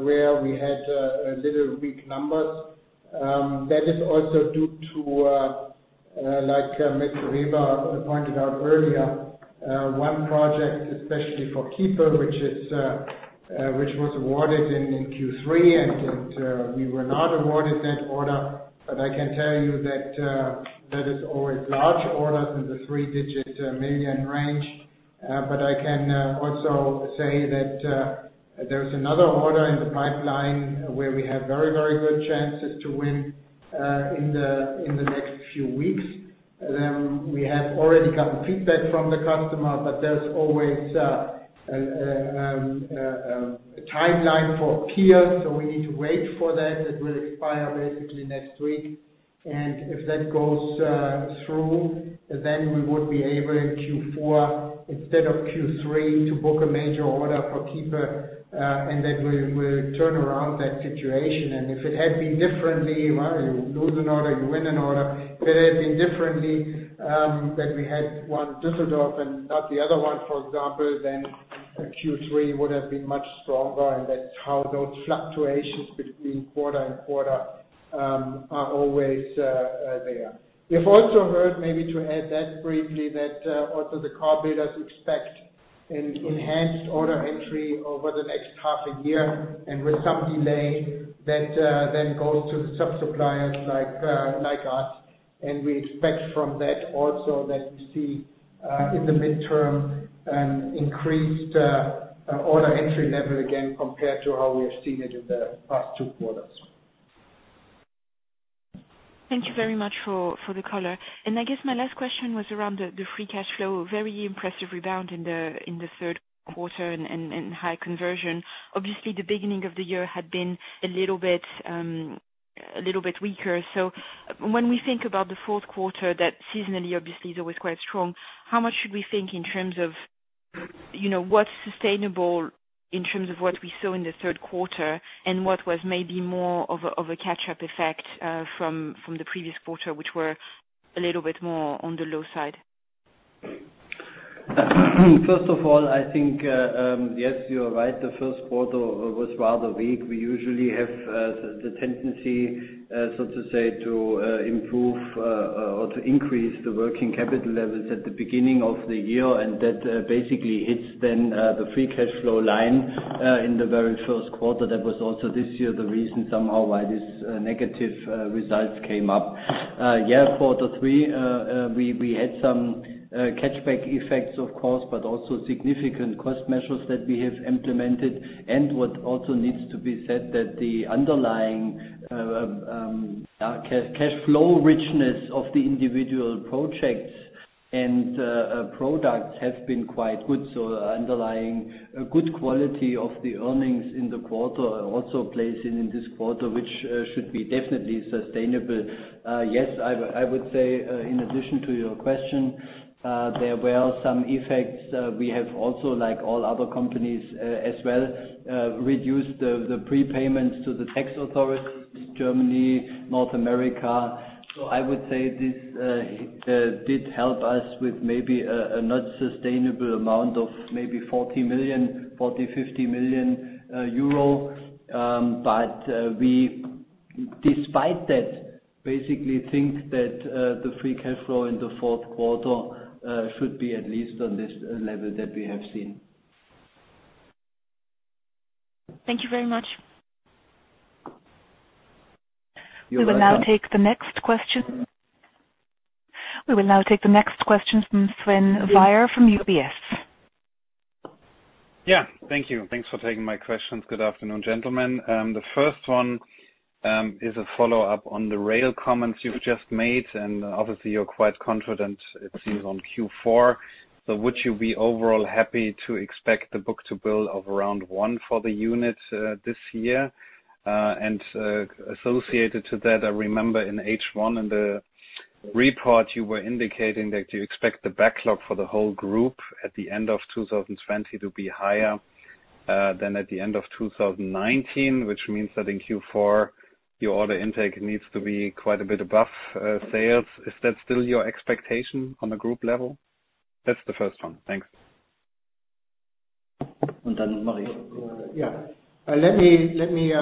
where we had a little weak numbers. That is also due to, like Mr. Weber pointed out earlier, one project, especially for Kiepe, which was awarded in Q3, and we were not awarded that order. I can tell you that is always large orders in the three-digit million range. I can also say that there's another order in the pipeline where we have very good chances to win in the next few weeks. We have already gotten feedback from the customer, there's always a timeline for peers, we need to wait for that. That will expire basically next week. If that goes through, we would be able in Q4, instead of Q3, to book a major order for Kiepe, that will turn around that situation. If it had been differently, you lose an order, you win an order. If it had been differently, that we had won Düsseldorf and not the other one, for example, Q3 would have been much stronger, that's how those fluctuations between quarter and quarter are always there. You've also heard, maybe to add that briefly, that also the car builders expect an enhanced order entry over the next half a year. With some delay that then goes to the sub-suppliers like us. We expect from that also that we see, in the midterm, an increased order entry level again compared to how we have seen it in the past two quarters. Thank you very much for the color. I guess my last question was around the free cash flow. Very impressive rebound in the third quarter and high conversion. Obviously, the beginning of the year had been a little bit weaker. When we think about the fourth quarter, that seasonally obviously is always quite strong, how much should we think in terms of what's sustainable in terms of what we saw in the third quarter and what was maybe more of a catch-up effect from the previous quarter, which were a little bit more on the low side? First of all, I think, yes, you are right. The first quarter was rather weak. We usually have the tendency, so to say, to improve or to increase the working capital levels at the beginning of the year, that basically hits then the free cash flow line in the very first quarter. That was also this year the reason somehow why these negative results came up. Quarter three, we had some catch back effects, of course, but also significant cost measures that we have implemented. What also needs to be said that the underlying cash flow richness of the individual projects and products have been quite good. Underlying a good quality of the earnings in the quarter also plays in this quarter, which should be definitely sustainable. Yes, I would say, in addition to your question, there were some effects. We have also, like all other companies as well, reduced the prepayments to the tax authorities, Germany, North America. I would say this did help us with maybe a not sustainable amount of maybe 40 million, 40 million, 50 million euro. We, despite that, basically think that the free cash flow in the fourth quarter should be at least on this level that we have seen. Thank you very much. You're welcome. We will now take the next question from Sven Weier from UBS. Thank you. Thanks for taking my questions. Good afternoon, gentlemen. The first one is a follow-up on the rail comments you've just made. Obviously you're quite confident it seems on Q4. Would you be overall happy to expect the book-to-bill of around 1 for the unit this year? Associated to that, I remember in H1, in the report, you were indicating that you expect the backlog for the whole group at the end of 2020 to be higher than at the end of 2019, which means that in Q4, your order intake needs to be quite a bit above sales. Is that still your expectation on the group level? That's the first one. Thanks. Yeah. Let me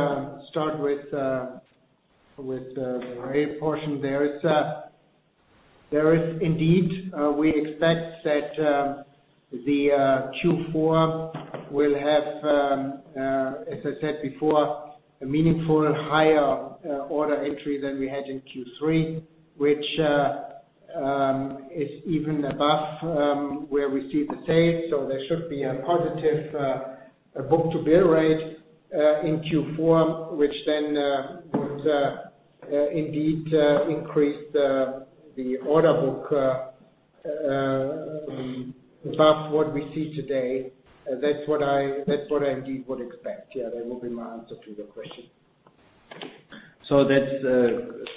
start with the rail portion there. Indeed, we expect that the Q4 will have, as I said before, a meaningful higher order entry than we had in Q3, which is even above where we see the sales. There should be a positive book-to-bill rate in Q4, which then would indeed increase the order book above what we see today. That's what I indeed would expect. Yeah, that would be my answer to your question. That's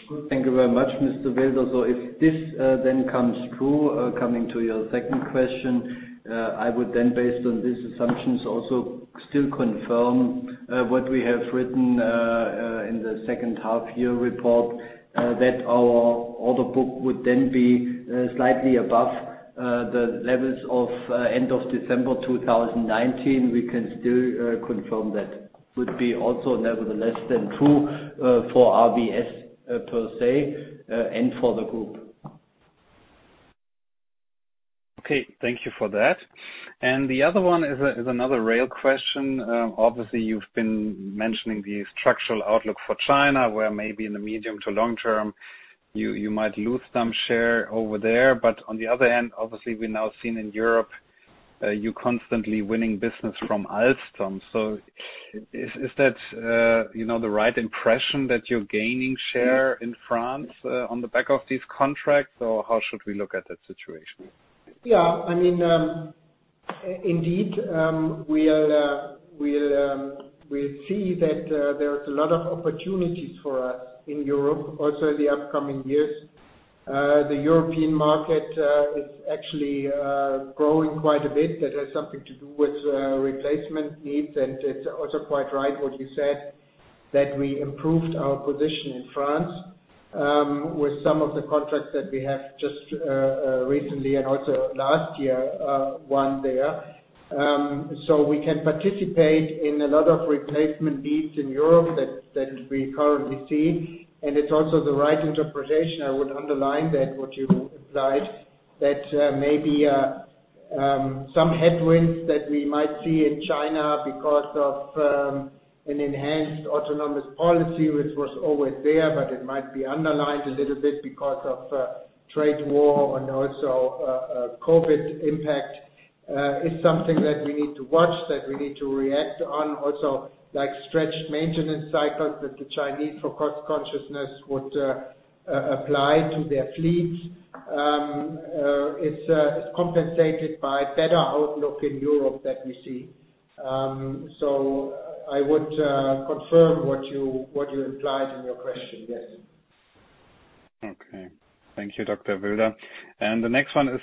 good. Thank you very much, Mr. Wilder. If this then comes true, coming to your second question, I would then based on these assumptions, also still confirm what we have written in the second half year report, that our order book would then be slightly above the levels of end of December 2019. We can still confirm that. Would be also nevertheless than true for RVS per se and for the group. Okay. Thank you for that. The other one is another rail question. Obviously, you've been mentioning the structural outlook for China, where maybe in the medium to long term, you might lose some share over there. On the other hand, obviously we're now seeing in Europe, you're constantly winning business from Alstom. Is that the right impression that you're gaining share in France on the back of these contracts, or how should we look at that situation? Indeed, we see that there's a lot of opportunities for us in Europe, also in the upcoming years. The European market is actually growing quite a bit. That has something to do with replacement needs, and it's also quite right what you said, that we improved our position in France with some of the contracts that we have just recently and also last year won there. We can participate in a lot of replacement needs in Europe that we currently see. It's also the right interpretation, I would underline that what you implied, that maybe some headwinds that we might see in China because of an enhanced autonomous policy, which was always there, but it might be underlined a little bit because of trade war and also COVID impact, is something that we need to watch, that we need to react on. Also, like stretched maintenance cycles that the Chinese, for cost consciousness, would apply to their fleet is compensated by better outlook in Europe that we see. I would confirm what you implied in your question, yes. Okay. Thank you, Dr. Wilder. The next one is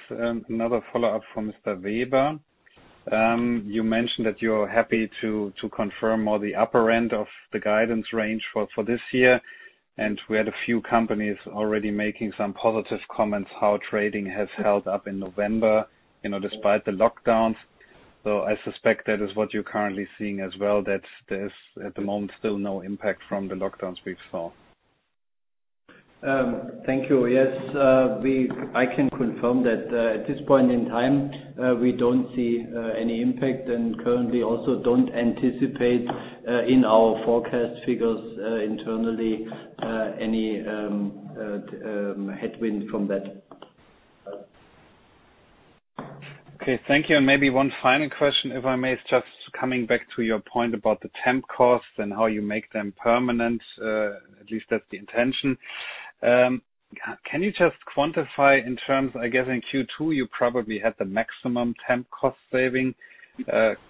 another follow-up from Mr. Weber. You mentioned that you're happy to confirm on the upper end of the guidance range for this year, and we had a few companies already making some positive comments how trading has held up in November despite the lockdowns. I suspect that is what you're currently seeing as well, that there's, at the moment, still no impact from the lockdowns we've saw. Thank you. Yes, I can confirm that at this point in time, we don't see any impact and currently also don't anticipate in our forecast figures internally any headwind from that. Okay, thank you. Maybe one final question, if I may. It's just coming back to your point about the temp costs and how you make them permanent, at least that's the intention. Can you just quantify in terms, I guess, in Q2, you probably had the maximum temp cost saving.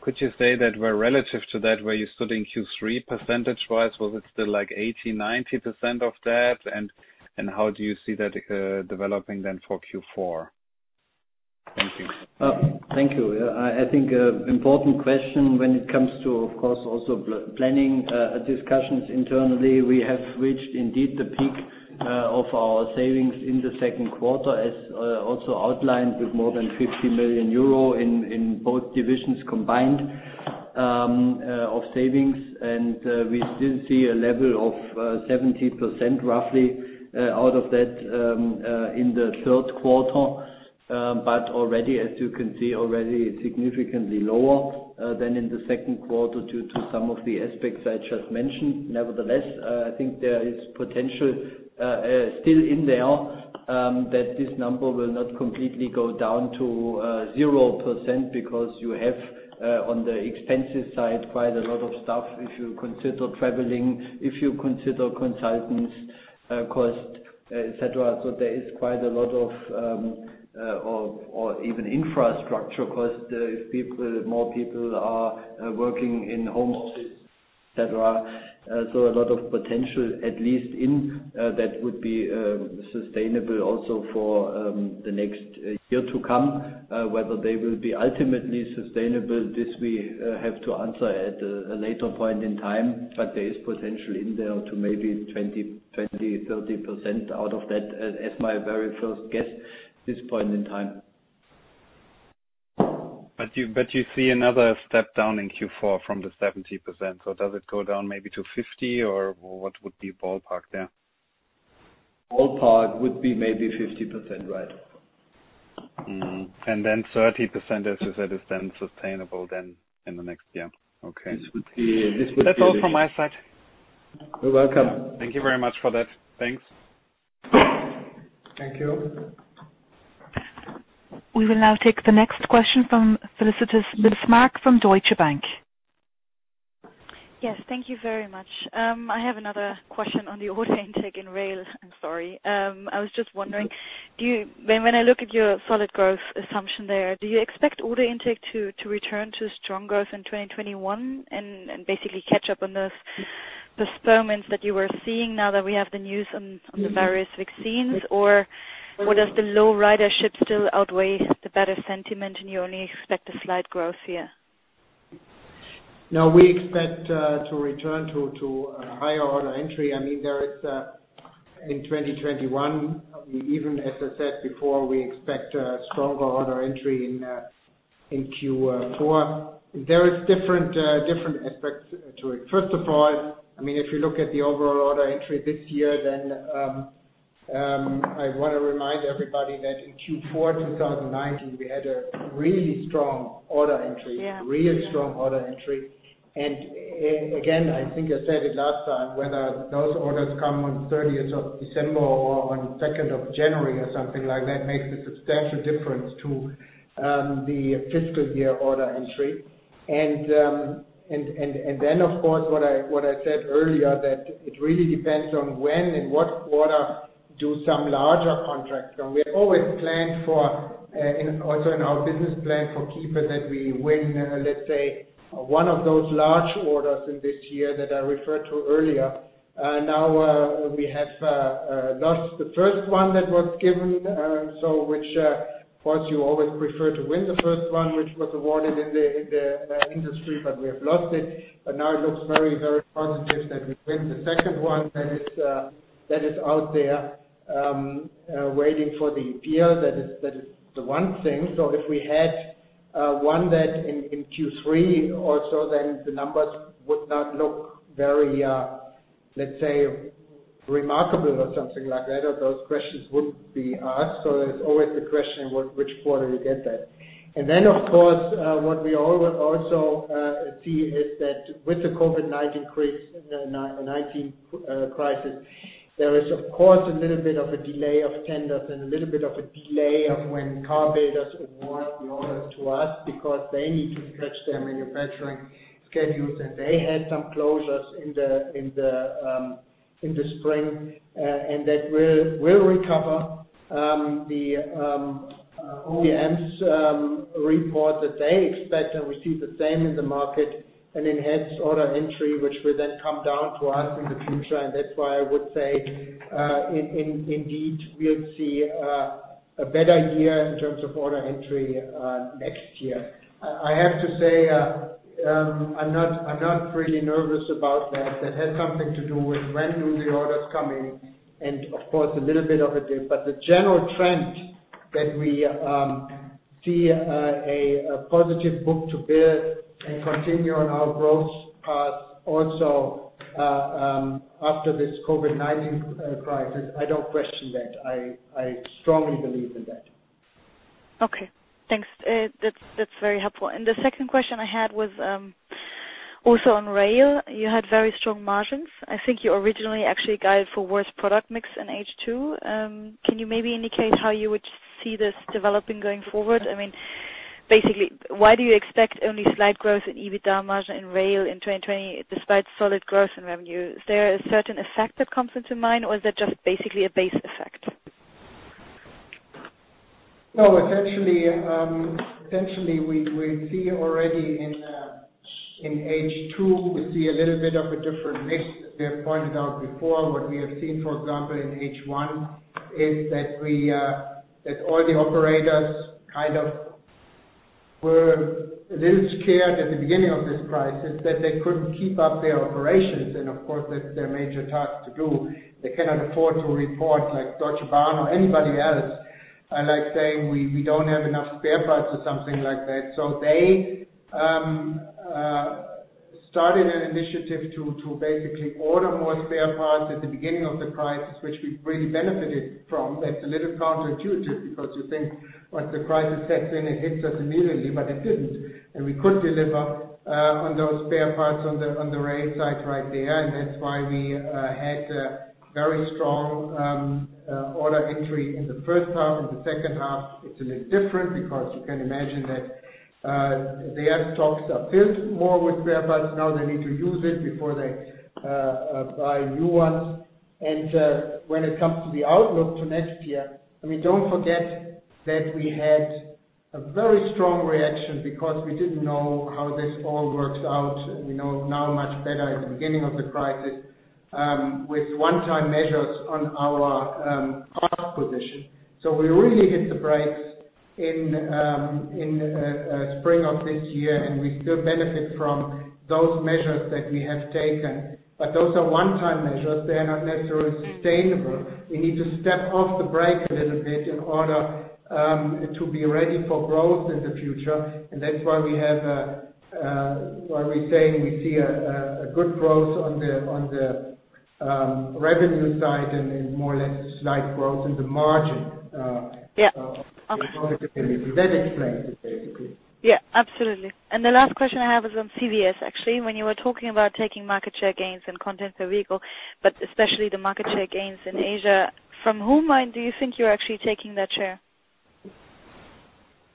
Could you say that were relative to that, where you stood in Q3 percentage-wise? Was it still 80%, 90% of that? How do you see that developing then for Q4? Thank you. Thank you. I think important question when it comes to, of course, also planning discussions internally. We have reached indeed the peak of our savings in the second quarter as also outlined with more than 50 million euro in both divisions combined of savings. We still see a level of 70% roughly out of that in the third quarter. Already, as you can see, already significantly lower than in the second quarter due to some of the aspects I just mentioned. Nevertheless, I think there is potential still in there, that this number will not completely go down to 0% because you have, on the expenses side, quite a lot of stuff if you consider traveling, if you consider consultants cost, et cetera. There is quite a lot of even infrastructure cost if more people are working in home offices, et cetera. A lot of potential, at least in that would be sustainable also for the next year to come, whether they will be ultimately sustainable, this we have to answer at a later point in time. There is potential in there to maybe 20%, 30% out of that as my very first guess this point in time. But you bet you see another step down in Q4 from the 70%. Does it go down maybe to 50% or what would be ballpark there? Ballpark would be maybe 50%, right. Mm-hmm. Then 30%, as you said, is then sustainable then in the next year. Okay. This would be the- That's all from my side. You're welcome. Thank you very much for that. Thanks. Thank you. We will now take the next question from Felicitas Bismarck from Deutsche Bank. Yes, thank you very much. I have another question on the order intake in rail. I'm sorry. I was just wondering, when I look at your solid growth assumption there, do you expect order intake to return to strong growth in 2021 and basically catch up on those postponements that you were seeing now that we have the news on the various vaccines? Does the low ridership still outweigh the better sentiment and you only expect a slight growth here? We expect to return to a higher order entry. In 2021, even as I said before, we expect a stronger order entry in Q4. There is different aspects to it. First of all, if you look at the overall order entry this year, then I want to remind everybody that in Q4 2019, we had a really strong order entry. Yeah. Really strong order entry. Again, I think I said it last time, whether those orders come on 30th of December or on 2nd of January or something like that, makes a substantial difference to the fiscal year order entry. Then, of course, what I said earlier, that it really depends on when and what quarter do some larger contracts come. We always planned for, also in our business plan for Kiepe, that we win, let's say, one of those large orders in this year that I referred to earlier. Now we have lost the first one that was given, of course, you always prefer to win the first one, which was awarded in the industry, but we have lost it. Now it looks very, very positive that we win the second one that is out there, waiting for the appeal. That is the one thing. If we had one that in Q3 or so, then the numbers would not look very, let's say, remarkable or something like that, or those questions would be asked. It's always the question, which quarter you get that. Of course, what we always also see is that with the COVID-19 crisis, there is of course, a little bit of a delay of tenders and a little bit of a delay of when car builders award the orders to us because they need to stretch their manufacturing schedules. They had some closures in the spring, and that will recover. The OEMs report that they expect, and we see the same in the market, an enhanced order entry, which will then come down to us in the future. That's why I would say, indeed, we'll see a better year in terms of order entry next year. I have to say, I'm not really nervous about that. That has something to do with when do the orders come in, and of course, a little bit of a dip. The general trend that we see a positive book-to-bill and continue on our growth path also after this COVID-19 crisis, I don't question that. I strongly believe in that. Okay, thanks. That's very helpful. The second question I had was also on rail, you had very strong margins. I think you originally actually guided for worse product mix in H2. Can you maybe indicate how you would see this developing going forward? Basically, why do you expect only slight growth in EBITDA margin in rail in 2020, despite solid growth in revenue? Is there a certain effect that comes into mind, or is that just basically a base effect? Essentially, we see already in H2, we see a little bit of a different mix that we have pointed out before. What we have seen, for example, in H1 is that all the operators kind of were a little scared at the beginning of this crisis that they couldn't keep up their operations. Of course, that's their major task to do. They cannot afford to report like Deutsche Bahn or anybody else, like saying, "We don't have enough spare parts," or something like that. They started an initiative to basically order more spare parts at the beginning of the crisis, which we really benefited from. That's a little counterintuitive because you think once the crisis sets in, it hits us immediately, but it didn't. We could deliver on those spare parts on the rail side right there, and that's why we had a very strong order entry in the first half. In the second half, it's a bit different because you can imagine that their stocks are filled more with spare parts. Now they need to use it before they buy new ones. When it comes to the outlook to next year, don't forget that we had a very strong reaction because we didn't know how this all works out. We know now much better at the beginning of the crisis, with one-time measures on our cost position. We really hit the brakes in spring of this year, and we still benefit from those measures that we have taken. Those are one-time measures. They are not necessarily sustainable. We need to step off the brake a little bit in order to be ready for growth in the future. That's why we say we see a good growth on the revenue side and more or less slight growth in the margin. Yeah. Okay. That explains it, basically. Yeah, absolutely. The last question I have is on CVS, actually. When you were talking about taking market share gains and content per vehicle, but especially the market share gains in Asia, from whom do you think you're actually taking that share?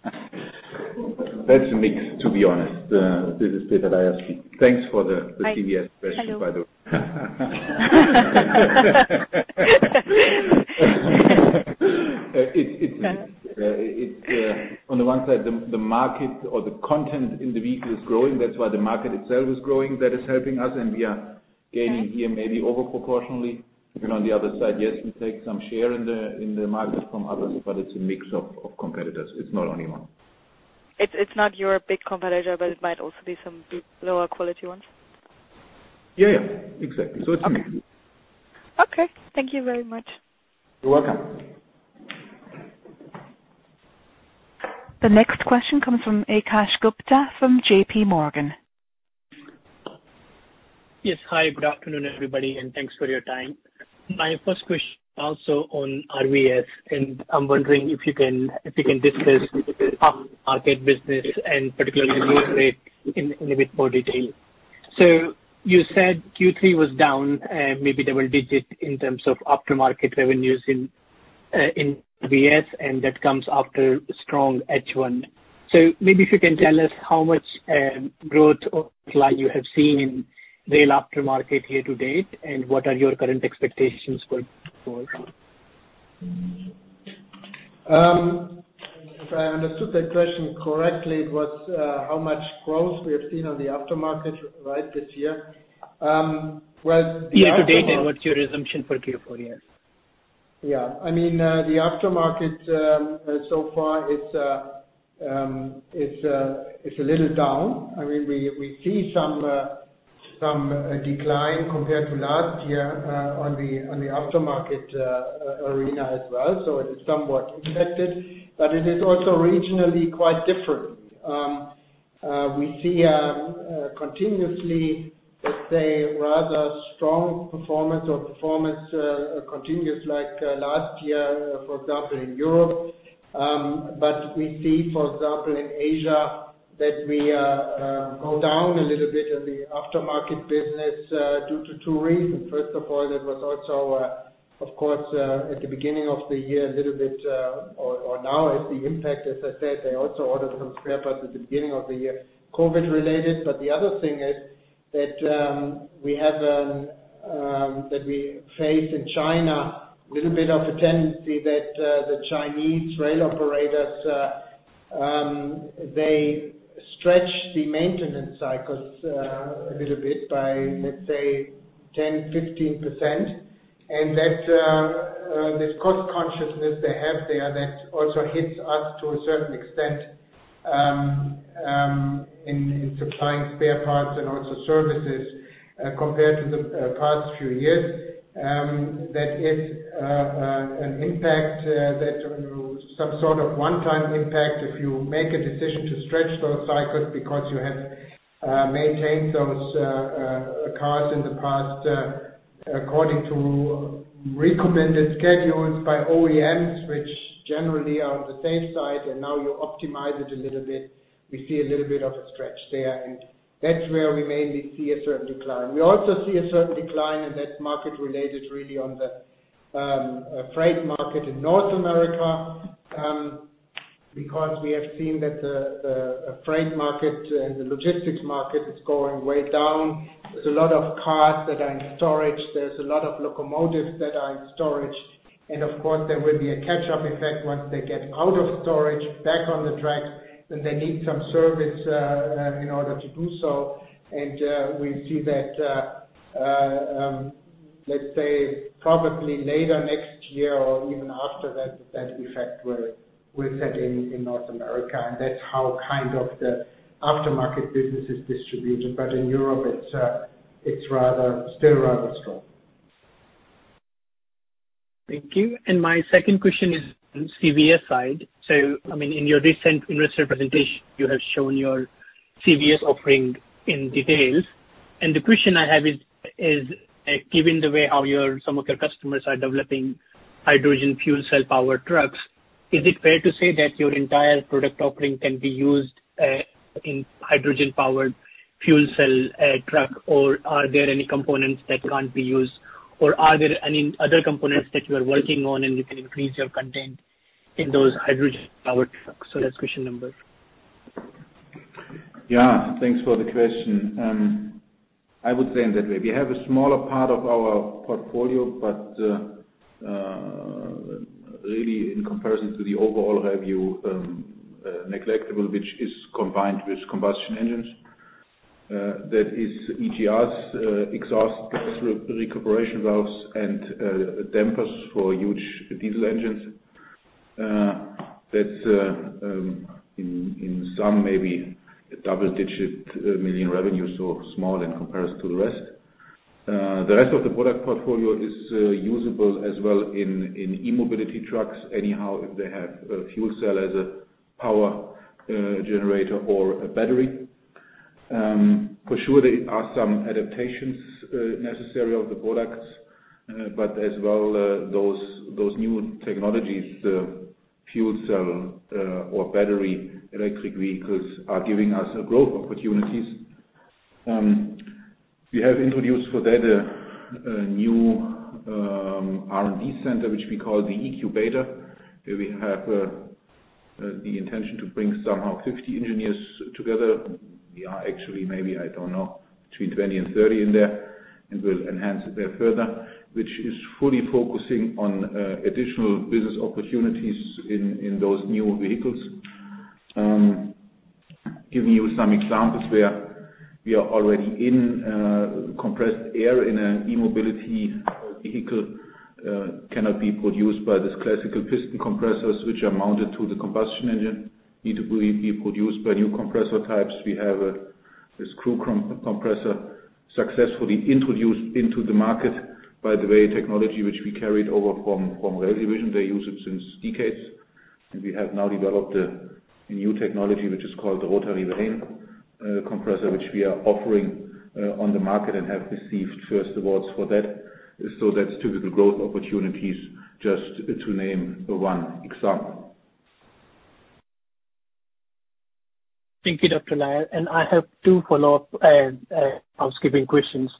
That's a mix, to be honest. This is Peter Laier speaking. Thanks for the CVS question, by the way. On the one side, the market or the content in the vehicle is growing. That is why the market itself is growing. That is helping us. We are gaining here maybe over-proportionally. On the other side, yes, we take some share in the market from others, but it's a mix of competitors. It's not only one. It's not your big competitor, but it might also be some lower quality ones? Yeah. Exactly. It's a mix. Okay. Thank you very much. You're welcome. The next question comes from Akash Gupta from JPMorgan. Yes. Hi, good afternoon, everybody, and thanks for your time. My first question, also on RVS. I am wondering if you can discuss aftermarket business and particularly unit rate in a bit more detail. You said Q3 was down, maybe double digits in terms of aftermarket revenues in RVS. That comes after a strong H1. Maybe if you can tell us how much growth or decline you have seen in rail aftermarket year to date. What are your current expectations going forward? If I understood that question correctly, it was how much growth we have seen on the aftermarket, right, this year. Well, the aftermarket- Year to date, what's your assumption for Q4? Yes. Yeah. The aftermarket so far it's a little down. We see some decline compared to last year on the aftermarket arena as well. It is somewhat affected, but it is also regionally quite different. We see continuously, let's say, rather strong performance or performance continuous like last year, for example, in Europe. We see, for example, in Asia, that we go down a little bit in the aftermarket business due to two reasons. First of all, that was also, of course, at the beginning of the year, or now, it's the impact, as I said, they also ordered some spare parts at the beginning of the year, COVID related. The other thing is that we face in China, a little bit of a tendency that the Chinese rail operators, they stretch the maintenance cycles a little bit by, let's say, 10%, 15%. That this cost consciousness they have there, that also hits us to a certain extent in supplying spare parts and also services, compared to the past few years. That is an impact, some sort of one-time impact, if you make a decision to stretch those cycles because you have maintained those cars in the past according to recommended schedules by OEMs, which generally are on the safe side, and now you optimize it a little bit. We see a little bit of a stretch there, and that's where we mainly see a certain decline. We also see a certain decline and that's market related, really on the freight market in North America, because we have seen that the freight market and the logistics market is going way down. There's a lot of cars that are in storage. There's a lot of locomotives that are in storage, and of course, there will be a catch-up effect once they get out of storage, back on the tracks, then they need some service in order to do so. We see that, let's say, probably later next year or even after that effect will set in North America. That's how the aftermarket business is distributed. In Europe it's still rather strong. Thank you. My second question is on CVS side. In your recent investor presentation, you have shown your CVS offering in details. The question I have is, given the way how some of your customers are developing hydrogen fuel cell-powered trucks, is it fair to say that your entire product offering can be used in hydrogen-powered fuel cell truck, or are there any components that can't be used? Are there any other components that you are working on and you can increase your content in those hydrogen-powered trucks? That's question number. Yeah. Thanks for the question. I would say in that way, we have a smaller part of our portfolio, but really in comparison to the overall revenue, negligible, which is combined with combustion engines. That is EGRs, exhaust gas recuperation valves and dampers for huge diesel engines. That's in some maybe double-digit million revenue, so small in comparison to the rest. The rest of the product portfolio is usable as well in e-mobility trucks, anyhow, if they have a fuel cell as a power generator or a battery. For sure, there are some adaptations necessary of the products, but as well, those new technologies, the fuel cell or battery electric vehicles are giving us growth opportunities. We have introduced for that a new R&D center, which we call the eCUBATOR, where we have the intention to bring somehow 50 engineers together. We are actually maybe, I don't know, between 20 and 30 in there, and we'll enhance it there further, which is fully focusing on additional business opportunities in those new vehicles. Giving you some examples where we are already in compressed air in an e-mobility vehicle, cannot be produced by this classical piston compressors, which are mounted to the combustion engine, need to be produced by new compressor types. We have a screw compressor successfully introduced into the market. By the way, technology which we carried over from the rail division, they use it since decades. We have now developed a new technology, which is called the rotary vane compressor, which we are offering on the market and have received first awards for that. That's typical growth opportunities, just to name one example. Thank you, Dr. Laier. I have two follow-up housekeeping questions.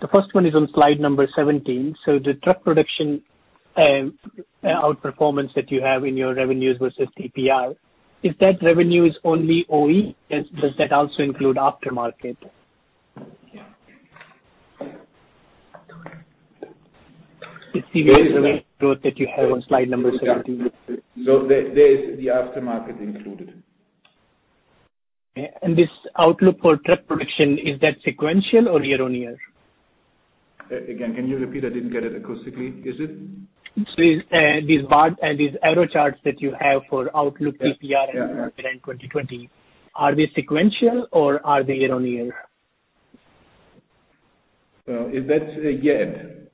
The first one is on slide number 17. The truck production outperformance that you have in your revenues versus TPR, is that revenue only OE? Does that also include aftermarket? It's the revenue growth that you have on slide number 17. There is the aftermarket included. This outlook for truck production, is that sequential or year-on-year? Again, can you repeat? I didn't get it acoustically. Is it? These bar and these arrow charts that you have for outlook TPR. Yes. Yeah. In 2020, are they sequential or are they year-on-year? That's a year-end.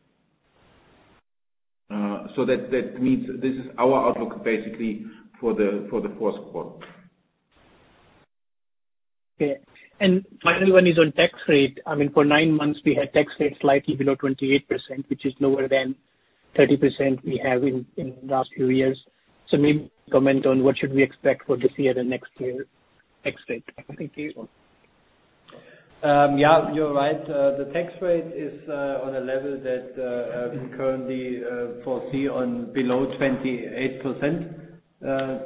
That means this is our outlook basically for the fourth quarter. Okay. Final one is on tax rate. For nine months, we had tax rates slightly below 28%, which is lower than 30% we have in last few years. Maybe comment on what should we expect for this year and next year tax rate? Thank you. Yeah, you're right. The tax rate is on a level that we currently foresee on below 28%.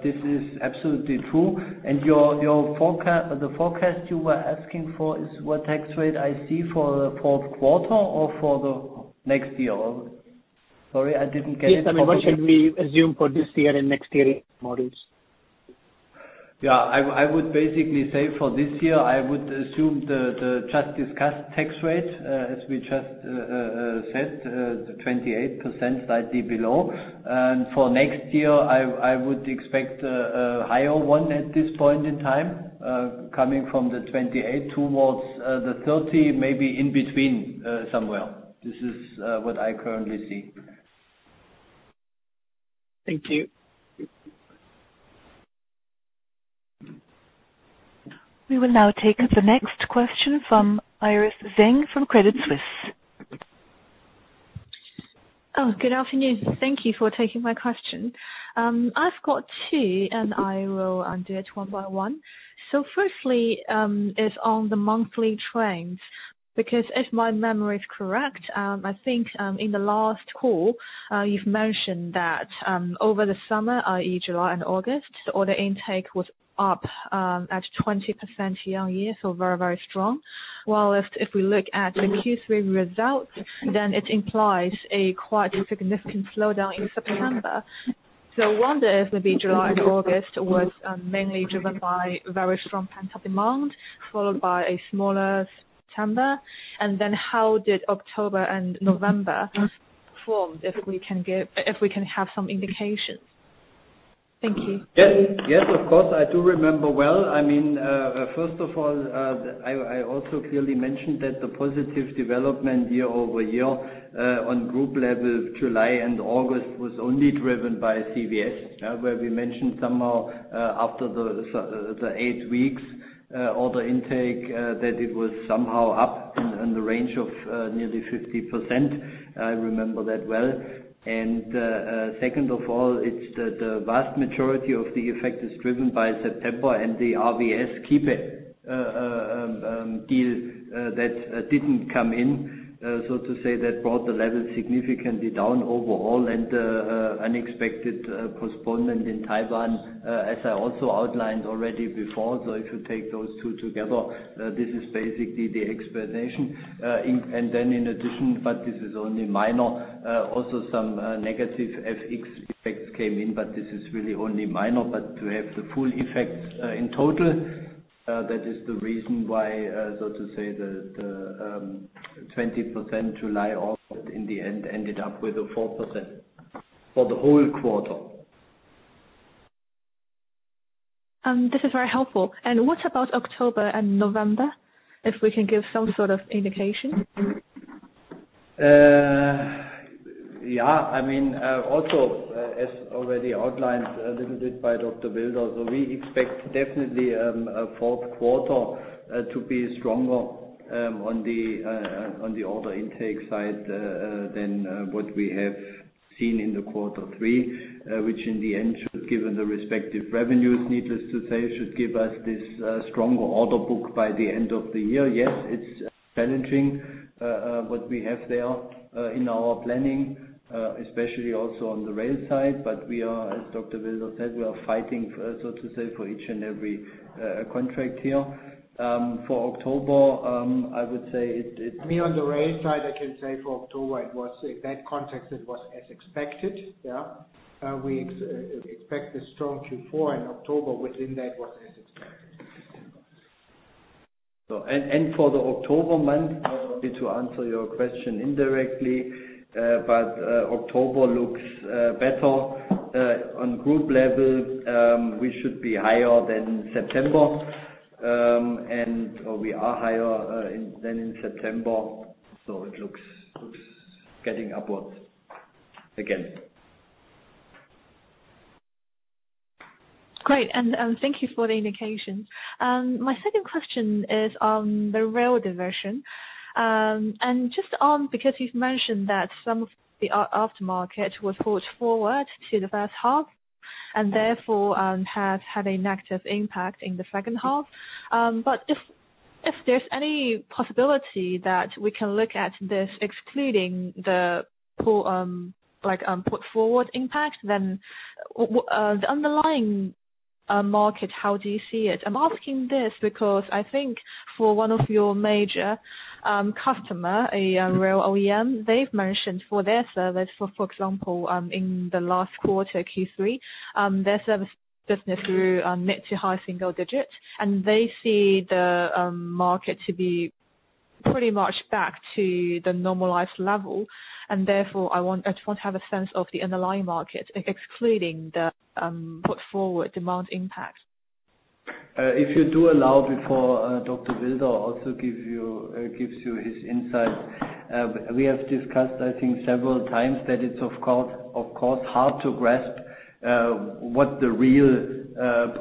This is absolutely true. The forecast you were asking for is what tax rate I see for fourth quarter or for the next year? Sorry, I didn't get it properly. Yes. What should we assume for this year and next year models? Yeah. I would basically say for this year, I would assume the just discussed tax rate, as we just said, 28%, slightly below. For next year, I would expect a higher one at this point in time, coming from the 28% towards the 30%, maybe in between somewhere. This is what I currently see. Thank you. We will now take the next question from Iris Zheng from Credit Suisse. Oh, good afternoon. Thank you for taking my question. I've got two and I will do it one by one. Firstly, is on the monthly trends. If my memory is correct, I think in the last call, you've mentioned that over the summer, i.e. July and August, the order intake was up at 20% year-on-year, so very strong. If we look at the Q3 results, then it implies a quite significant slowdown in September. I wonder if maybe July to August was mainly driven by very strong pent-up demand, followed by a smaller September, and then how did October and November perform, if we can have some indications. Thank you. Yes, of course. I do remember well. First of all, I also clearly mentioned that the positive development year-over-year on group level, July and August was only driven by CVS, where we mentioned somehow after the eight weeks order intake that it was somehow up in the range of nearly 50%. I remember that well. Second of all, it's the vast majority of the effect is driven by September and the RVS Kiepe deal that didn't come in, so to say, that brought the level significantly down overall and unexpected postponement in Taiwan, as I also outlined already before. If you take those two together, this is basically the explanation. In addition, but this is only minor, also some negative FX effects came in, but this is really only minor. To have the full effect in total, that is the reason why, so to say, the 20% July offer in the end ended up with a 4% for the whole quarter. This is very helpful. What about October and November? If we can give some sort of indication. Also, as already outlined a little bit by Dr. Wilder, so we expect definitely fourth quarter to be stronger on the order intake side than what we have seen in the quarter three, which in the end should, given the respective revenues, needless to say, should give us this stronger order book by the end of the year. It's challenging, what we have there in our planning, especially also on the rail side, but we are, as Dr. Wilder said, we are fighting, so to say, for each and every contract here. For October, I would say- Me on the rail side, I can say for October, in that context, it was as expected, yeah. We expect a strong Q4 and October within that was as expected. For the October month, maybe to answer your question indirectly, but October looks better. On group level, we should be higher than September, and we are higher than in September, so it looks getting upwards again. Great, thank you for the indication. My second question is on the rail diversion. Because you've mentioned that some of the aftermarket was pulled forward to the first half and therefore has had a negative impact in the second half. If there's any possibility that we can look at this, excluding the put-forward impact, then the underlying market, how do you see it? I'm asking this because I think for one of your major customer, a rail OEM, they've mentioned for their service, for example, in the last quarter, Q3, their service business grew mid to high single digits, and they see the market to be pretty much back to the normalized level. Therefore, I just want to have a sense of the underlying market, excluding the put-forward demand impact. If you do allow before Dr. Wilder also gives you his insight. We have discussed, I think, several times that it's, of course, hard to grasp what the real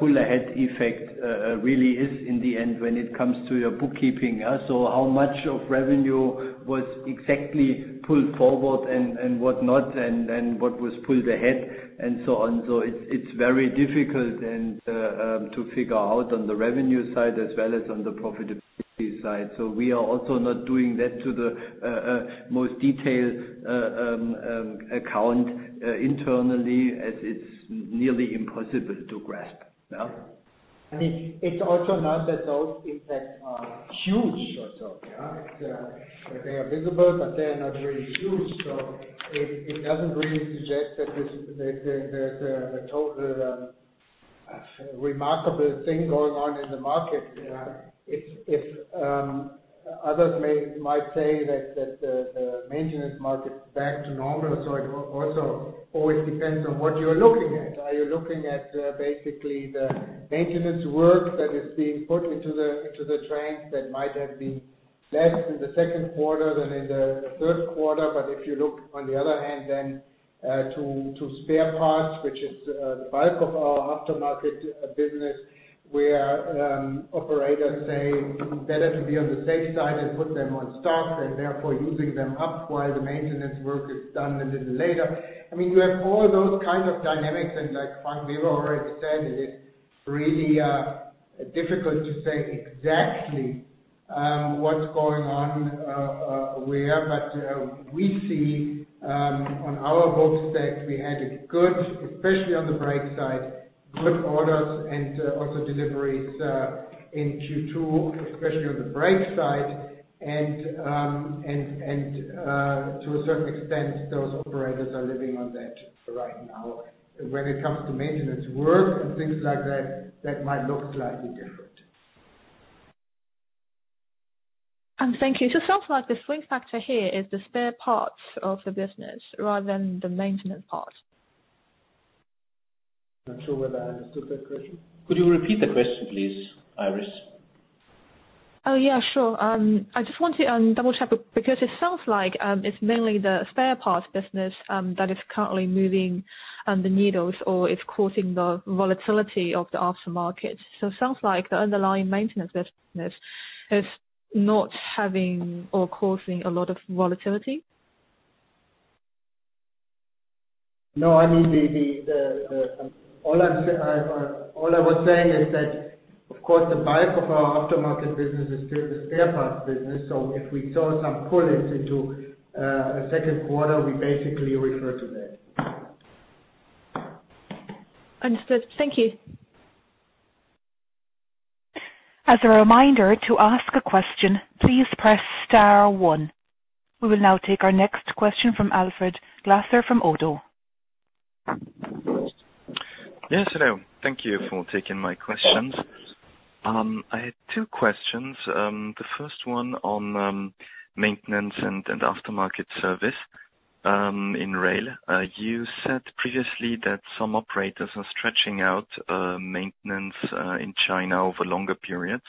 pull-ahead effect really is in the end when it comes to your bookkeeping. How much of revenue was exactly pulled forward and whatnot, and what was pulled ahead, and so on. It's very difficult to figure out on the revenue side as well as on the profitability side. We are also not doing that to the most detailed account internally as it's nearly impossible to grasp. It's also not that those impacts are huge or so. They are visible, but they are not really huge. It doesn't really suggest that there's a total remarkable thing going on in the market. Others might say that the maintenance market is back to normal. It also always depends on what you're looking at. Are you looking at basically the maintenance work that is being put into the trains that might have been less in the second quarter than in the third quarter? If you look on the other hand then to spare parts, which is the bulk of our aftermarket business, where operators say, "Better to be on the safe side and put them on stock," and therefore using them up while the maintenance work is done a little later. We have all those kinds of dynamics and like Frank Weber already said it. Really difficult to say exactly what's going on where, but we see on our books that we added good, especially on the brake side, good orders and also deliveries in Q2, especially on the brake side and to a certain extent, those operators are living on that right now. When it comes to maintenance work and things like that might look slightly different. Thank you. It sounds like the swing factor here is the spare parts of the business rather than the maintenance part. Not sure whether I understood that question. Could you repeat the question, please, Iris? Oh, yeah. Sure. I just want to double-check, because it sounds like it's mainly the spare parts business that is currently moving the needles or is causing the volatility of the aftermarket. It sounds like the underlying maintenance business is not having or causing a lot of volatility. No, all I was saying is that, of course, the bulk of our aftermarket business is still the spare parts business. If we saw some pull into second quarter, we basically refer to that. Understood. Thank you. As a reminder, to ask a question, please press star one. We will now take our next question from Alfred Glaser from ODDO. Yes, hello. Thank you for taking my questions. I had two questions. The first one on maintenance and aftermarket service in rail. You said previously that some operators are stretching out maintenance in China over longer periods.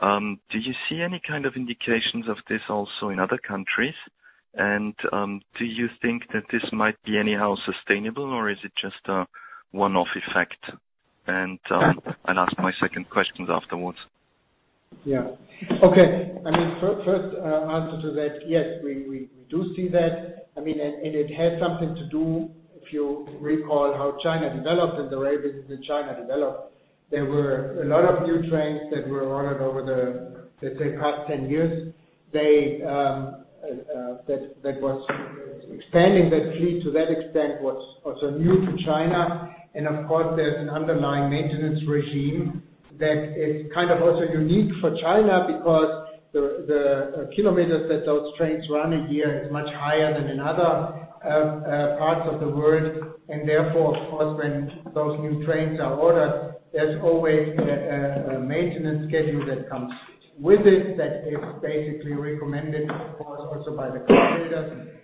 Do you see any kind of indications of this also in other countries? Do you think that this might be anyhow sustainable or is it just a one-off effect? I'll ask my second questions afterwards. Yeah. Okay. First answer to that, yes, we do see that. It has something to do, if you recall how China developed and the way business in China developed, there were a lot of new trains that were ordered over the past 10 years. Expanding that fleet to that extent was also new to China, and of course, there's an underlying maintenance regime that is also unique for China because the kilometers that those trains run a year is much higher than in other parts of the world. Therefore, of course, when those new trains are ordered, there's always a maintenance schedule that comes with it that is basically recommended, of course, also by the car builders.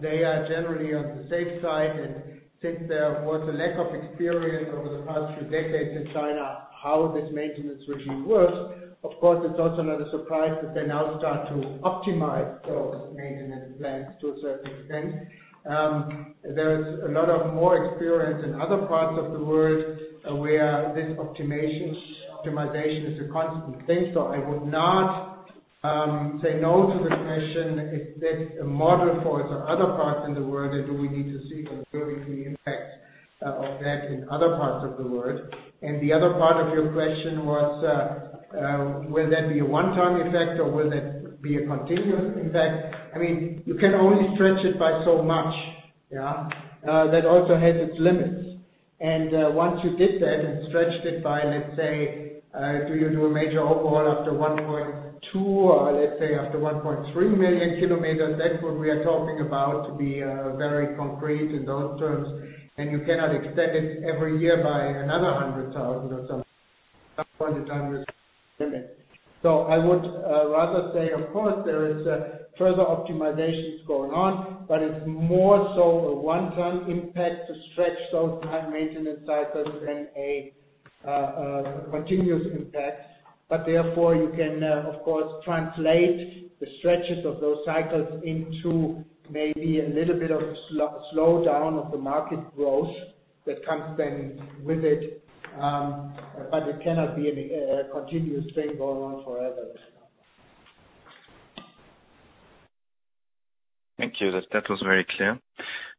They are generally on the safe side, and since there was a lack of experience over the past few decades in China, how this maintenance regime works, of course, it's also not a surprise that they now start to optimize those maintenance plans to a certain extent. There is a lot of more experience in other parts of the world where this optimization is a constant thing. I would not say no to the question if that's a model for other parts in the world and do we need to see the impact of that in other parts of the world. The other part of your question was, will that be a one-time effect or will that be a continuous effect? You can only stretch it by so much. That also has its limits. Once you did that and stretched it by, let's say, do you do a major overhaul after 1.2 million kilometers or let's say after 1.3 million kilometers? That's what we are talking about to be very concrete in those terms. You cannot extend it every year by another 100,000 or some point in time. I would rather say, of course, there is further optimizations going on, but it's more so a one-time impact to stretch those time maintenance side rather than a continuous impact. Therefore you can, of course, translate the stretches of those cycles into maybe a little bit of slowdown of the market growth that comes then with it, but it cannot be a continuous thing going on forever. Thank you. That was very clear.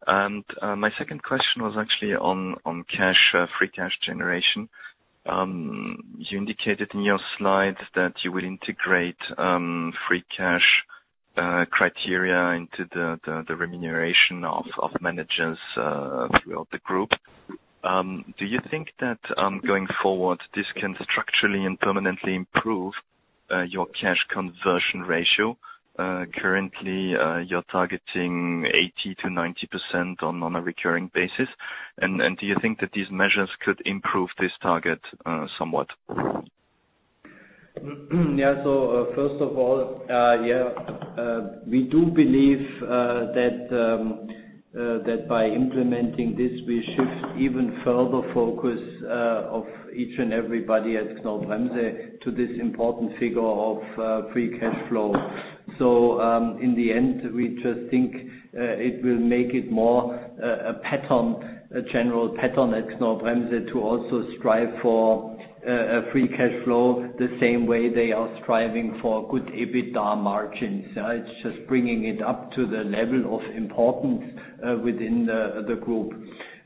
My second question was actually on cash, free cash generation. You indicated in your slides that you will integrate free cash criteria into the remuneration of managers throughout the group. Do you think that going forward, this can structurally and permanently improve your cash conversion ratio? Currently, you're targeting 80%-90% on a recurring basis. Do you think that these measures could improve this target somewhat? First of all, we do believe that by implementing this, we shift even further focus of each and everybody at Knorr-Bremse to this important figure of free cash flow. In the end, we just think it will make it more a general pattern at Knorr-Bremse to also strive for free cash flow the same way they are striving for good EBITDA margins. It's just bringing it up to the level of importance within the group.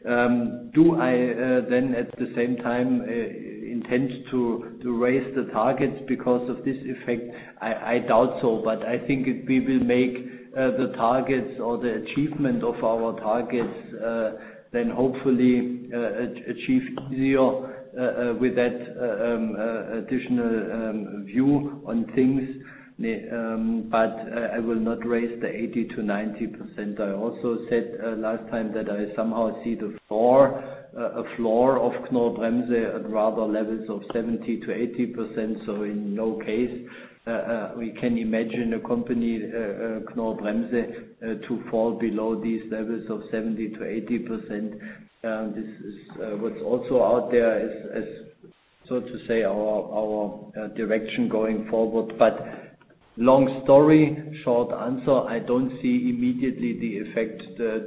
Do I, at the same time, intend to raise the targets because of this effect? I doubt so. I think we will make the targets or the achievement of our targets then hopefully achieved easier with that additional view on things. I will not raise the 80% to 90%. I also said last time that I somehow see the floor of Knorr-Bremse at rather levels of 70%-80%. In no case we can imagine a company, Knorr-Bremse, to fall below these levels of 70%-80%. This is what's also out there as, so to say, our direction going forward. Long story short answer, I don't see immediately the effect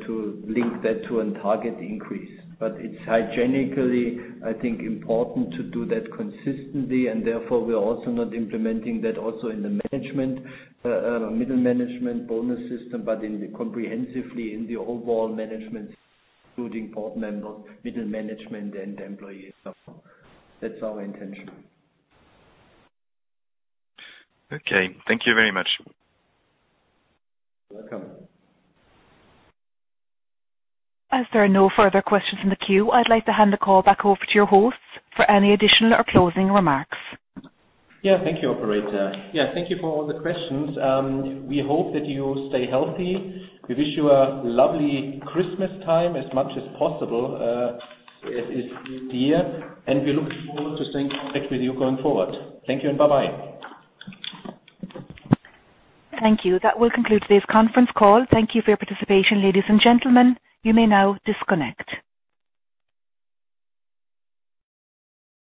to link that to a target increase. It's hygienically, I think, important to do that consistently, and therefore we are also not implementing that also in the middle management bonus system, but comprehensively in the overall management, including board members, middle management, and employees. That's our intention. Okay. Thank you very much. You're welcome. As there are no further questions in the queue, I'd like to hand the call back over to your hosts for any additional or closing remarks. Thank you, operator. Thank you for all the questions. We hope that you stay healthy. We wish you a lovely Christmas time as much as possible as is here, and we're looking forward to staying in contact with you going forward. Thank you and bye-bye. Thank you. That will conclude today's conference call. Thank you for your participation, ladies and gentlemen. You may now disconnect.